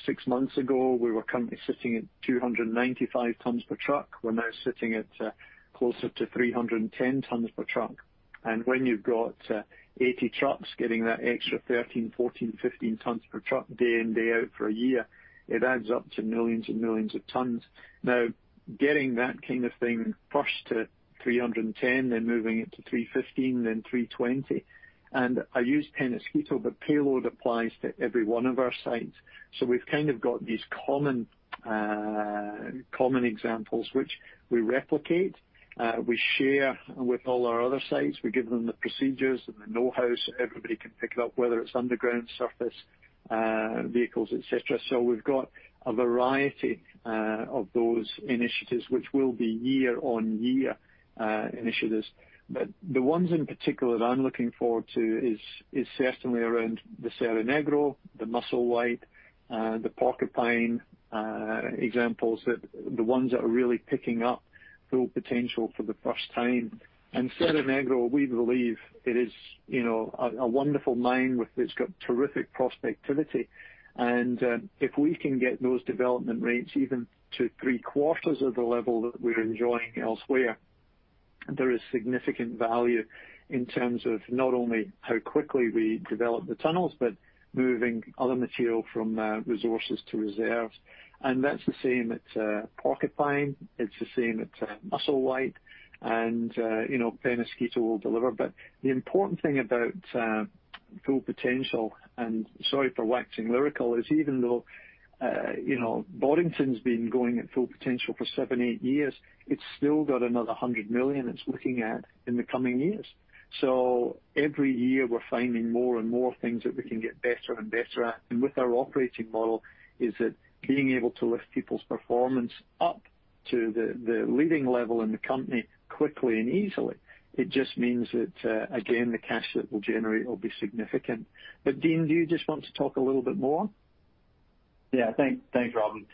S4: six months ago, we were sitting at 295 tons per truck. We're now sitting at closer to 310 tons per truck. When you've got 80 trucks getting that extra 13, 14, 15 tons per truck day in, day out for a year, it adds up to millions and millions of tons. Getting that kind of thing pushed to 310, then moving it to 315, then 320. I use Peñasquito, but payload applies to every one of our sites. We've kind of got these common examples, which we replicate. We share with all our other sites. We give them the procedures and the know-hows. Everybody can pick it up, whether it's underground, surface, vehicles, et cetera. We've got a variety of those initiatives, which will be year-on-year initiatives. The ones in particular that I'm looking forward to is certainly around the Cerro Negro, the Musselwhite, the Porcupine examples. The ones that are really picking up Full Potential for the first time. Cerro Negro, we believe it is a wonderful mine, it's got terrific prospectivity. If we can get those development rates even to three-quarters of the level that we're enjoying elsewhere, there is significant value in terms of not only how quickly we develop the tunnels, but moving other material from resources to reserves. That's the same at Porcupine, it's the same at Musselwhite. Peñasquito will deliver. The important thing about Full Potential, and sorry for waxing lyrical, is even though Boddington's been going at Full Potential for seven, eight years, it's still got another $100 million it's looking at in the coming years. Every year, we're finding more and more things that we can get better and better at. With our operating model, is that being able to lift people's performance up to the leading level in the company quickly and easily. It just means that, again, the cash that we'll generate will be significant. Dean, do you just want to talk a little bit more?
S14: Yeah. Thanks, Robin.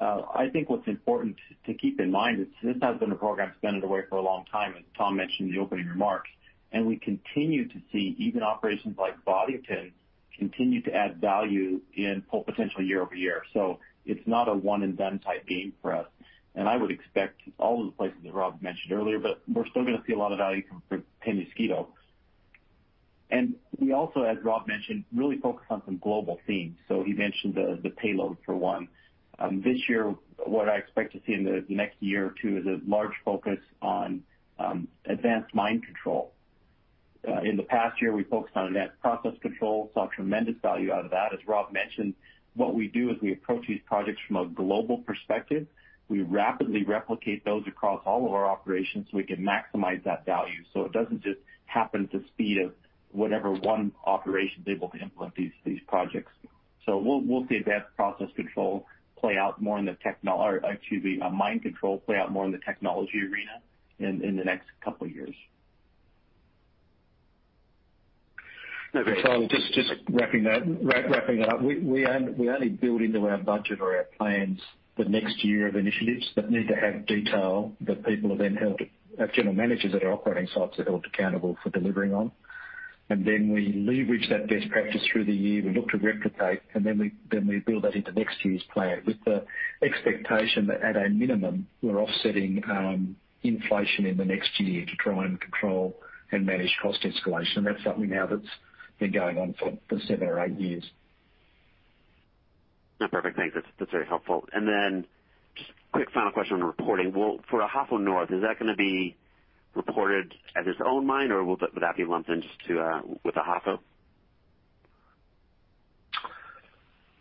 S14: I think what's important to keep in mind is this has been a program spending away for a long time, as Tom mentioned in the opening remarks. We continue to see even operations like Boddington continue to add value in Full Potential year-over-year. It's not a one-and-done type game for us. I would expect all of the places that Rob mentioned earlier, but we're still going to see a lot of value from Peñasquito. We also, as Rob mentioned, really focus on some global themes. He mentioned the payload for one. This year, what I expect to see in the next year or two is a large focus on advanced mine control. In the past year, we focused on advanced process control, saw tremendous value out of that. As Rob mentioned, what we do is we approach these projects from a global perspective. We rapidly replicate those across all of our operations so we can maximize that value. It doesn't just happen to speed of whatever one operation is able to implement these projects. We'll see advanced process control play out more in the or excuse me, mine control play out more in the technology arena in the next couple of years.
S15: No, great.
S3: Langton, just wrapping that up. We only build into our budget or our plans the next year of initiatives that need to have detail that people are then held, our general managers at our operating sites are held accountable for delivering on. We leverage that best practice through the year. We look to replicate, we build that into next year's plan with the expectation that at a minimum, we're offsetting inflation in the next year to try and control and manage cost escalation. That's something now that's been going on for seven or eight years.
S15: No, perfect. Thanks. That's very helpful. Just quick final question on the reporting. Well, for Ahafo North, is that going to be reported as its own mine or would that be lumped in just with Ahafo?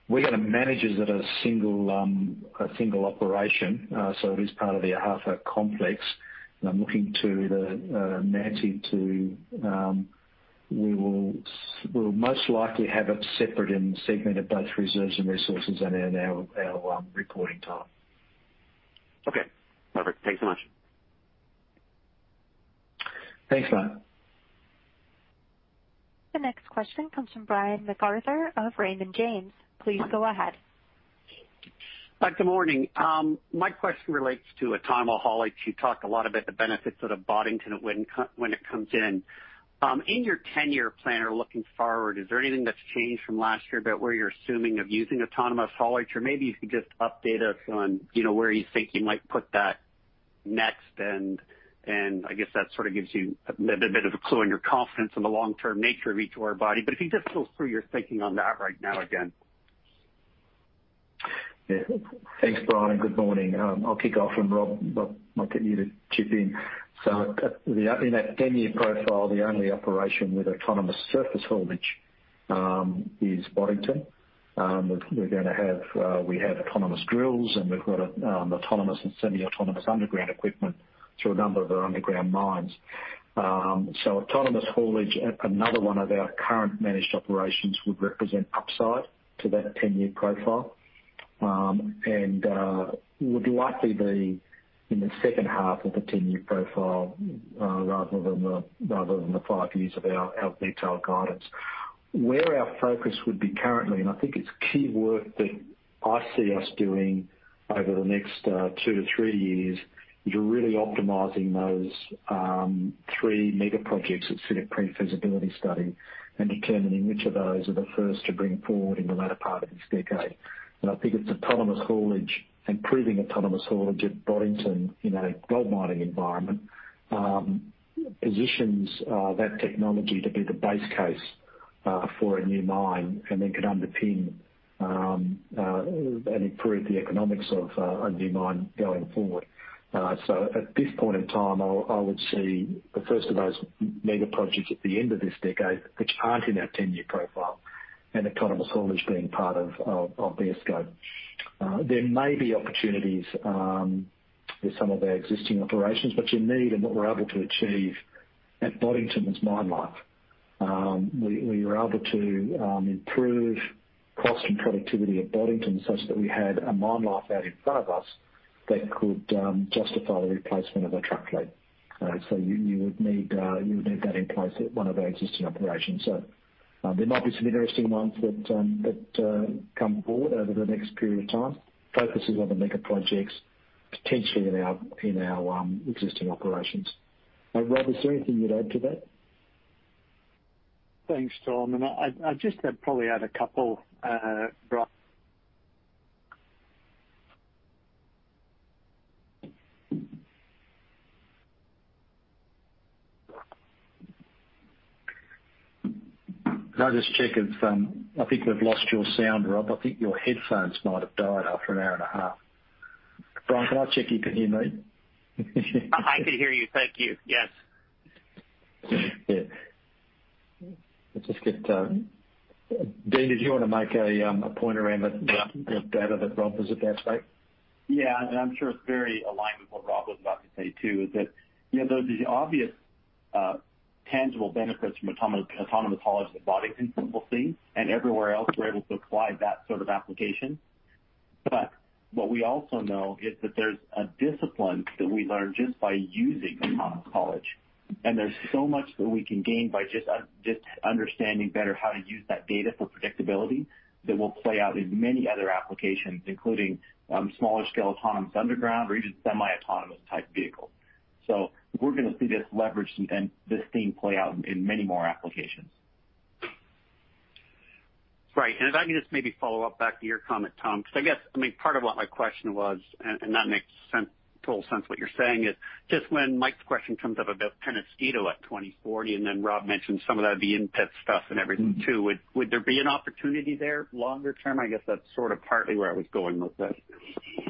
S3: We've got managers that are a single operation, so it is part of the Ahafo complex. I'm looking to Nancy. We will most likely have it separate and segmented both reserves and resources and in our reporting time.
S15: Okay, perfect. Thank you so much.
S3: Thanks, Lang.
S1: The next question comes from Brian MacArthur of Raymond James. Please go ahead.
S16: Good morning. My question relates to autonomous haulage. You talked a lot about the benefits out of Boddington when it comes in. In your 10-year plan or looking forward, is there anything that's changed from last year about where you're assuming of using autonomous haulage? Maybe you could just update us on where you think you might put that next. I guess that sort of gives you a bit of a clue on your confidence in the long-term nature of each of our orebody. If you just go through your thinking on that right now again.
S3: Thanks, Brian. Good morning. I'll kick off and Rob, I'll get you to chip in. In that 10-year profile, the only operation with autonomous surface haulage is Boddington. We have autonomous drills, and we've got autonomous and semi-autonomous underground equipment through a number of our underground mines. Autonomous haulage at another one of our current managed operations would represent upside to that 10-year profile, and would likely be in the second half of the 10-year profile rather than the five years of our detailed guidance. Where our focus would be currently, and I think it's key work that I see us doing over the next two to three years, is really optimizing those three mega projects that sit at pre-feasibility study and determining which of those are the first to bring forward in the latter part of this decade. I think it's autonomous haulage, improving autonomous haulage at Boddington in a gold mining environment, positions that technology to be the base case for a new mine and then could underpin and improve the economics of a new mine going forward. At this point in time, I would see the first of those mega projects at the end of this decade, which aren't in our 10-year profile, and autonomous haulage being part of their scope. There may be opportunities with some of our existing operations, but you need and what we're able to achieve at Boddington is mine life. We were able to improve cost and productivity at Boddington such that we had a mine life out in front of us that could justify the replacement of a truck fleet. You would need that in place at one of our existing operations. There might be some interesting ones that come forward over the next period of time, focusing on the mega projects potentially in our existing operations. Rob, is there anything you'd add to that?
S4: Thanks, Tom. I'd just probably add a couple, Brian.
S3: Can I just check, I think we've lost your sound, Rob. I think your headphones might have died after an hour and a half. Brian, can I check you can hear me?
S16: I can hear you. Thank you. Yes.
S3: Yeah. Let's just get, Dean, did you want to make a point around the data that Rob was at that site?
S14: Yeah. I'm sure it's very aligned with what Rob was about to say, too, is that there's obvious tangible benefits from autonomous haulage that Boddington will see and everywhere else we're able to apply that sort of application. What we also know is that there's a discipline that we learn just by using autonomous haulage. There's so much that we can gain by just understanding better how to use that data for predictability that will play out in many other applications, including smaller scale autonomous underground or even semi-autonomous type vehicles. We're going to see this leverage and this theme play out in many more applications.
S16: Right. If I can just maybe follow up back to your comment, Tom, because I guess, part of what my question was, and that makes total sense what you're saying, is just when Mike's question comes up about Peñasquito at 2040, and then Rob mentioned some of that in-pit stuff and everything too. Would there be an opportunity there longer term? I guess that's sort of partly where I was going with that.
S3: Yeah,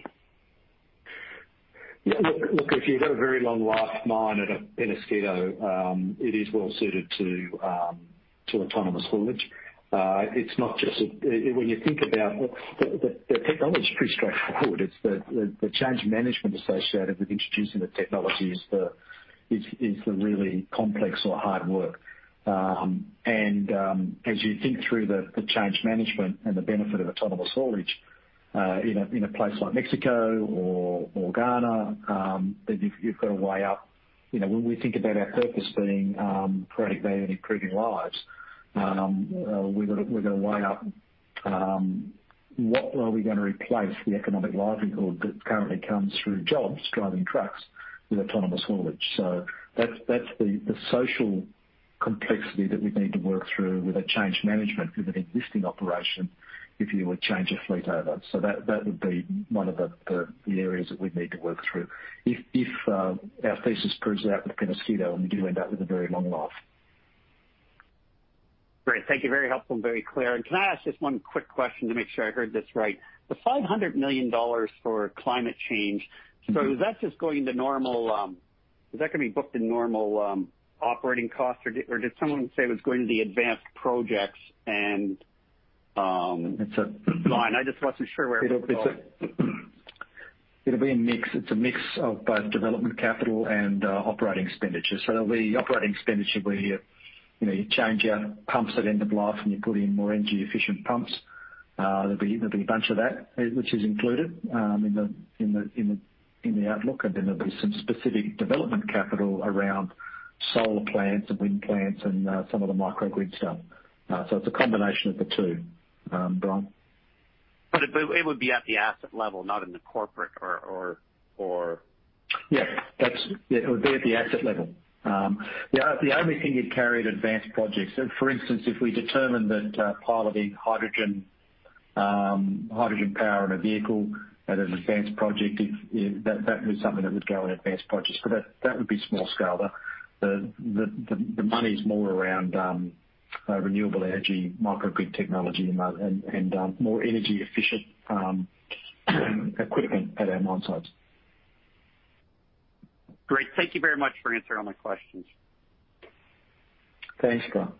S3: look, if you've got a very long-life mine at Peñasquito, it is well suited to autonomous haulage. When you think about it, the technology is pretty straightforward. It's the change management associated with introducing the technology is the really complex or hard work. As you think through the change management and the benefit of autonomous haulage, in a place like Mexico or Ghana, then you've got to weigh up. When we think about our purpose being creating value and improving lives, we got to weigh up, what are we going to replace the economic livelihood that currently comes through jobs, driving trucks, with autonomous haulage. That's the social complexity that we need to work through with a change management with an existing operation if you were to change a fleet over. That would be one of the areas that we'd need to work through. If our thesis proves out with Peñasquito and we do end up with a very long life.
S16: Great. Thank you. Very helpful and very clear. Can I ask just one quick question to make sure I heard this right? The $500 million for climate change. Is that going to be booked in normal operating costs? Or did someone say it was going to the advanced projects?
S3: It's a-
S16: line? I just wasn't sure where it would go.
S3: It'll be a mix. It's a mix of both development capital and operating expenditure. There'll be operating expenditure where you change out pumps at end of life and you put in more energy-efficient pumps. There'll be a bunch of that, which is included in the outlook. There'll be some specific development capital around solar plants and wind plants and some of the microgrid stuff. It's a combination of the two, Brian.
S16: It would be at the asset level, not in the corporate.
S3: Yeah. It would be at the asset level. The only thing you'd carry at advanced projects, for instance, if we determine that piloting hydrogen power in a vehicle as an advanced project, that was something that would go in advanced projects. That would be small scale. The money's more around renewable energy, microgrid technology, and more energy-efficient equipment at our mine sites.
S16: Great. Thank you very much for answering all my questions.
S3: Thanks, Brian.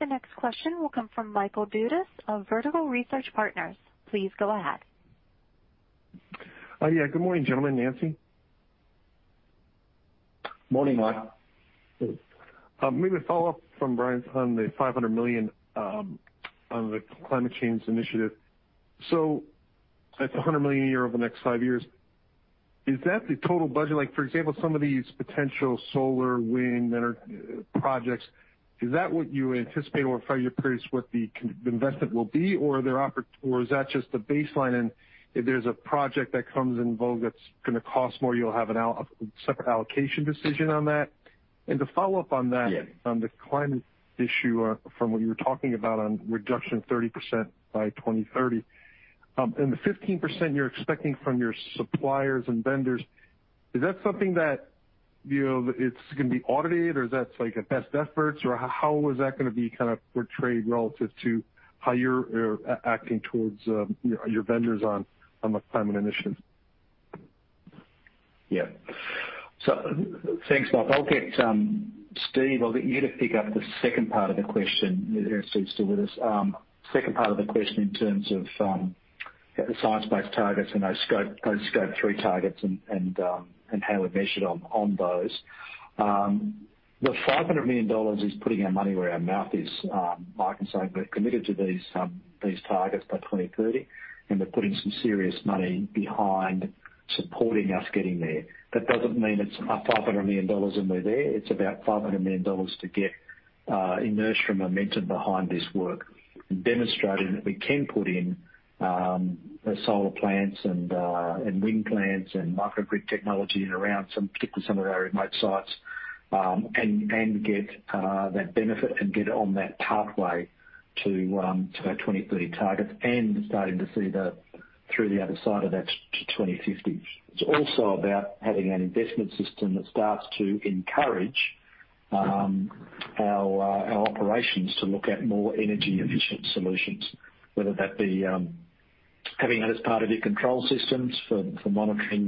S1: The next question will come from Michael Dudas of Vertical Research Partners. Please go ahead.
S17: Yeah. Good morning, gentlemen. Nancy.
S3: Morning, Mike.
S17: Maybe a follow-up from Brian on the $500 million, on the climate change initiative. That's $100 million a year over the next five years. Is that the total budget? For example, some of these potential solar, wind energy projects, is that what you anticipate over a five-year period is what the investment will be? Is that just the baseline and if there's a project that comes in vogue that's going to cost more, you'll have a separate allocation decision on that? To follow up on that.
S3: Yeah
S17: on the climate issue, from what you were talking about on reduction of 30% by 2030. The 15% you're expecting from your suppliers and vendors, is that something that it's going to be audited or is that a best efforts? How is that going to be portrayed relative to how you're acting towards your vendors on the climate initiative?
S3: Yeah. Thanks, Mike. Steve, I'll get you to pick up the second part of the question, if Steve's still with us. Second part of the question in terms of the Science Based Targets and those Scope 3 targets and how we're measured on those. The $500 million is putting our money where our mouth is, Mike. We've committed to these targets by 2030, and we're putting some serious money behind supporting us getting there. That doesn't mean it's $500 million and we're there. It's about $500 million to get inertia and momentum behind this work, and demonstrating that we can put in solar plants and wind plants and microgrid technology in around some, particularly some of our remote sites, and get that benefit and get on that pathway to our 2030 targets and starting to see the, through the other side of that to 2050. It's also about having an investment system that starts to encourage our operations to look at more energy-efficient solutions, whether that be having that as part of your control systems for monitoring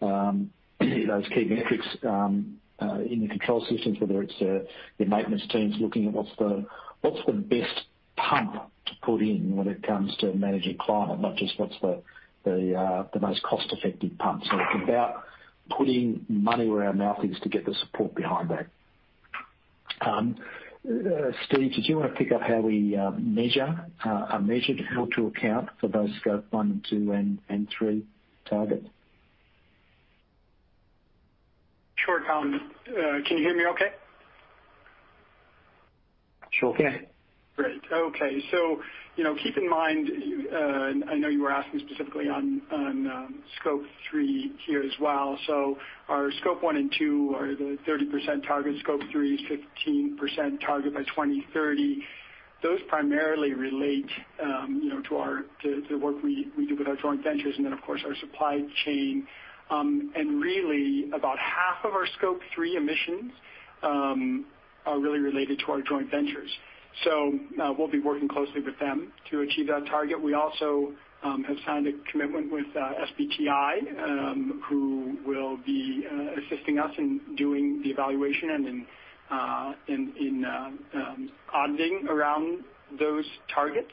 S3: those key metrics in the control systems. Whether it's the maintenance teams looking at what's the best pump to put in when it comes to managing climate, not just what's the most cost-effective pump. It's about putting money where our mouth is to get the support behind that. Steve, did you want to pick up how we measure or to account for those Scope 1, 2, and 3 targets?
S9: Sure, Tom. Can you hear me okay?
S3: Sure can.
S17: Yeah.
S9: Great. Okay. Keep in mind, I know you were asking specifically on Scope 3 here as well. Our Scope 1 and 2 are the 30% target. Scope 3 is 15% target by 2030. Those primarily relate to the work we do with our joint ventures and then, of course, our supply chain. Really, about half of our Scope 3 emissions are really related to our joint ventures. We'll be working closely with them to achieve that target. We also have signed a commitment with SBTi, who will be assisting us in doing the evaluation and in auditing around those targets.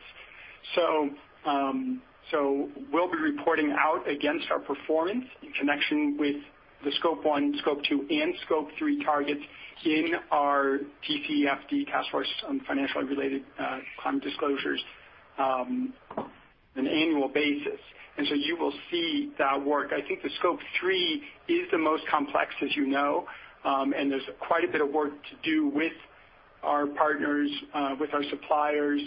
S9: We'll be reporting out against our performance in connection with the Scope 1, Scope 2, and Scope 3 targets in our TCFD Task Force on Climate-related Financial Disclosures on an annual basis. You will see that work. I think the Scope 3 is the most complex, as you know. There's quite a bit of work to do with our partners, with our suppliers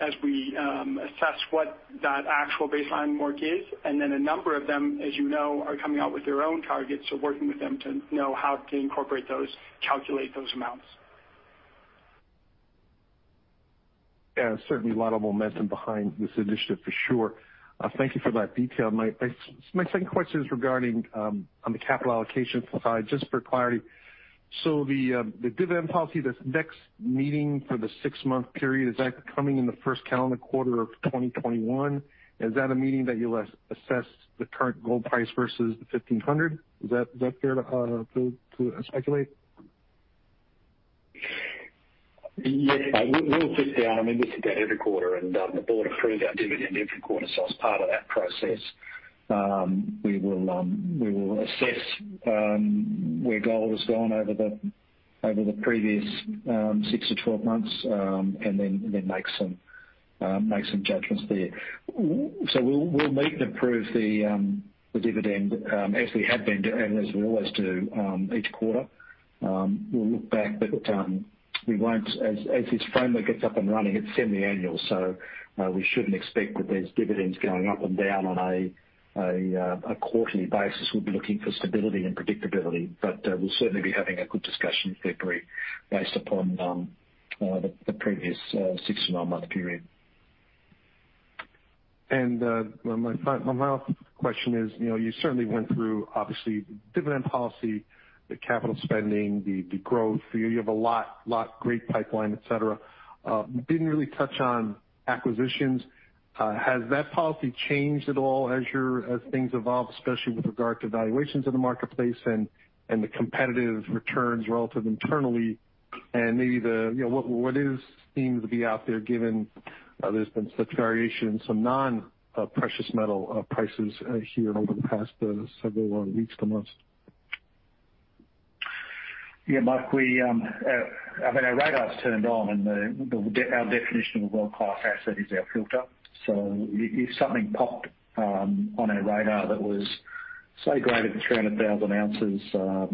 S9: as we assess what that actual baseline work is. A number of them, as you know, are coming out with their own targets. Working with them to know how to incorporate those, calculate those amounts.
S17: Yeah, certainly a lot of momentum behind this initiative, for sure. Thank you for that detail. My second question is regarding on the capital allocation side, just for clarity. The dividend policy, this next meeting for the six-month period, is that coming in the first calendar quarter of 2021? Is that a meeting that you'll assess the current gold price versus the $1,500? Is that fair to speculate?
S3: Yes. We'll sit down. We sit down every quarter, and the board approves our dividend every quarter. As part of that process, we will assess where gold has gone over the previous 6-12 months, and make some judgments there. We'll meet and approve the dividend, as we have been doing, as we always do each quarter. We'll look back, as this framework gets up and running, it's semiannual, we shouldn't expect that there's dividends going up and down on a quarterly basis. We'll be looking for stability and predictability. We'll certainly be having a good discussion, [in February], based upon the previous six to nine month period.
S17: My final question is, you certainly went through, obviously, dividend policy, the capital spending, the growth. You have a lot great pipeline, et cetera. Didn't really touch on acquisitions. Has that policy changed at all as things evolve, especially with regard to valuations in the marketplace and the competitive returns relative internally? Maybe what is deemed to be out there given there's been such variation in some non-precious metal prices here over the past several weeks to months?
S3: Yeah, Mike, our radar's turned on, and our definition of a world-class asset is our filter. If something popped on our radar that was so great at 300,000 oz,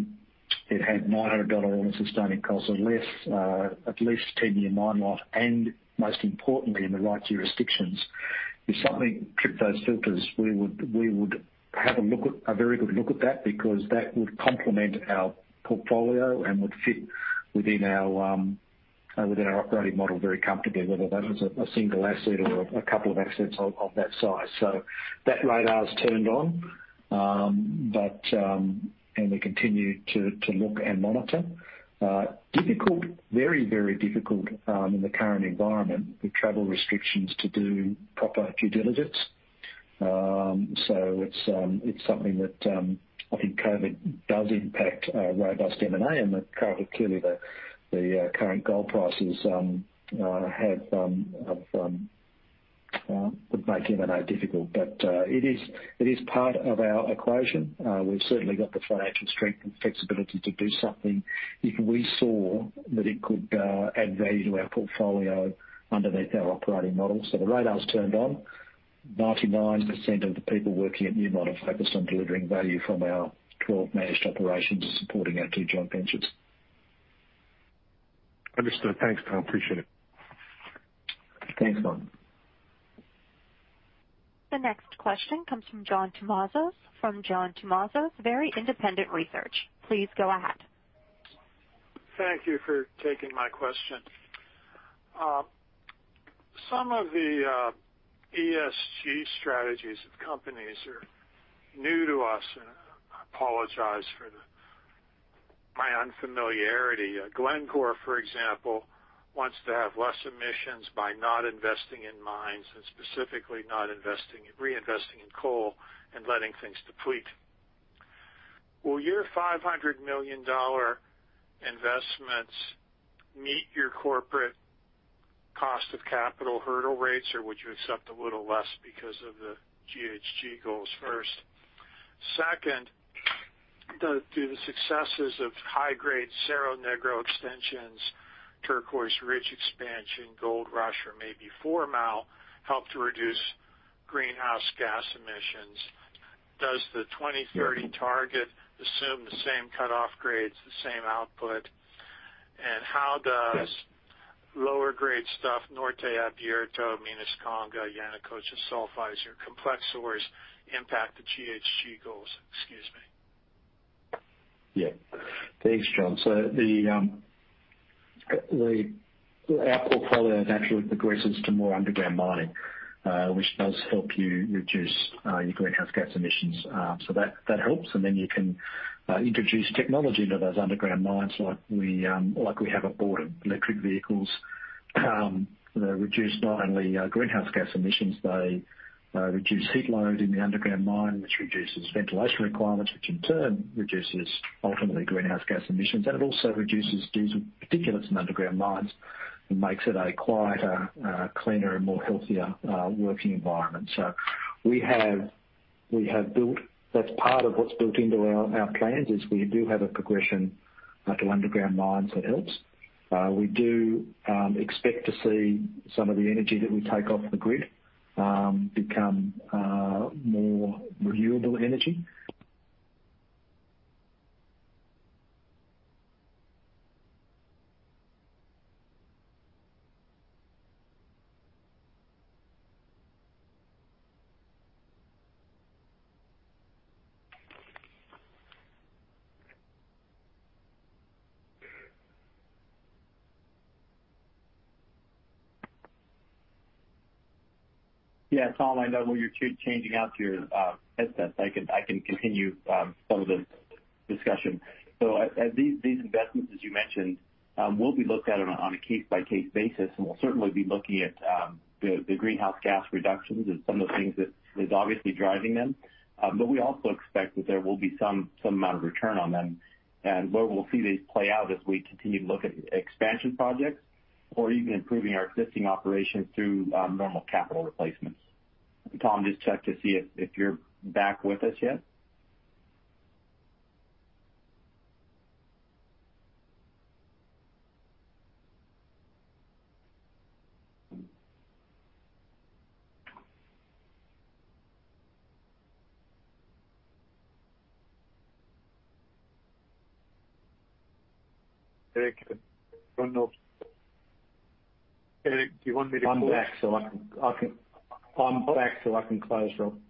S3: it had $900 All-In Sustaining Costs or less, at least 10-year mine life, and most importantly, in the right jurisdictions. If something tripped those filters, we would have a very good look at that because that would complement our portfolio and would fit within our operating model very comfortably, whether that was a single asset or a couple of assets of that size. That radar's turned on, and we continue to look and monitor. Difficult, very difficult in the current environment with travel restrictions to do proper due diligence. It's something that I think COVID-19 does impact robust M&A, and that currently, clearly, the current gold prices would make M&A difficult. It is part of our equation. We've certainly got the financial strength and flexibility to do something if we saw that it could add value to our portfolio underneath our operating model. The radar's turned on. 99% of the people working at Newmont are focused on delivering value from our 12 managed operations and supporting our two joint ventures.
S17: Understood. Thanks, Tom. Appreciate it.
S3: Thanks, Mike.
S1: The next question comes from John Tumazos from John Tumazos Very Independent Research. Please go ahead.
S18: Thank you for taking my question. Some of the ESG strategies of companies are new to us, and I apologize for my unfamiliarity. Glencore, for example, wants to have less emissions by not investing in mines and specifically not reinvesting in coal and letting things deplete. Will your $500 million investments meet your corporate cost of capital hurdle rates, or would you accept a little less because of the GHG goals first? Second, do the successes of high-grade Cerro Negro extensions, Turquoise Ridge expansion, Goldrush, or maybe Fourmile, help to reduce greenhouse gas emissions? Does the 2030 target assume the same cutoff grades, the same output? How does lower grade stuff, Norte Abierto, Conga, Yanacocha Sulfides, your complex ores impact the GHG goals? Excuse me.
S3: Yeah. Thanks, John. Our portfolio has actually progressed into more underground mining, which does help you reduce your greenhouse gas emissions. That helps, you can introduce technology into those underground mines, like we have at Borden electric vehicles reduce not only greenhouse gas emissions, they reduce heat load in the underground mine, which reduces ventilation requirements, which in turn reduces, ultimately, greenhouse gas emissions. It also reduces diesel particulates in underground mines and makes it a quieter, cleaner, more healthier working environment. That's part of what's built into our plans, is we do have a progression to underground mines that helps. We do expect to see some of the energy that we take off the grid become more renewable energy.
S14: Yeah, Tom, I know while you're changing out your headsets, I can continue some of the discussion. These investments, as you mentioned, will be looked at on a case-by-case basis. We'll certainly be looking at the greenhouse gas reductions and some of the things that is obviously driving them. We also expect that there will be some amount of return on them. Where we'll see these play out as we continue to look at expansion projects or even improving our existing operations through normal capital replacements. Tom, just check to see if you're back with us yet.
S4: Eric, do you want me to-
S3: I'm back, so I can close, Rob.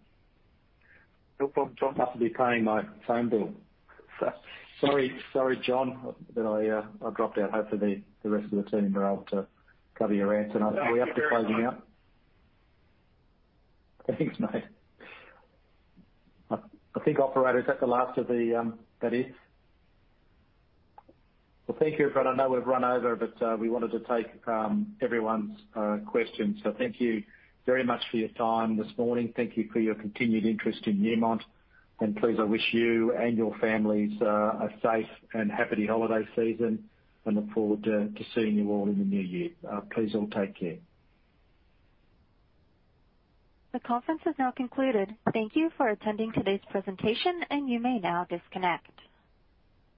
S4: No problem, Tom.
S3: Must be paying my phone bill. Sorry, John, that I dropped out. Hopefully, the rest of the team are able to cover your answers.
S18: You did very well.
S3: We have to close now. Thanks, mate. I think, operator, is that the last of that is? Well, thank you, everyone. I know we've run over, but we wanted to take everyone's questions. Thank you very much for your time this morning. Thank you for your continued interest in Newmont. Please, I wish you and your families a safe and happy holiday season, and look forward to seeing you all in the new year. Please all take care.
S1: The conference has now concluded. Thank you for attending today's presentation, and you may now disconnect.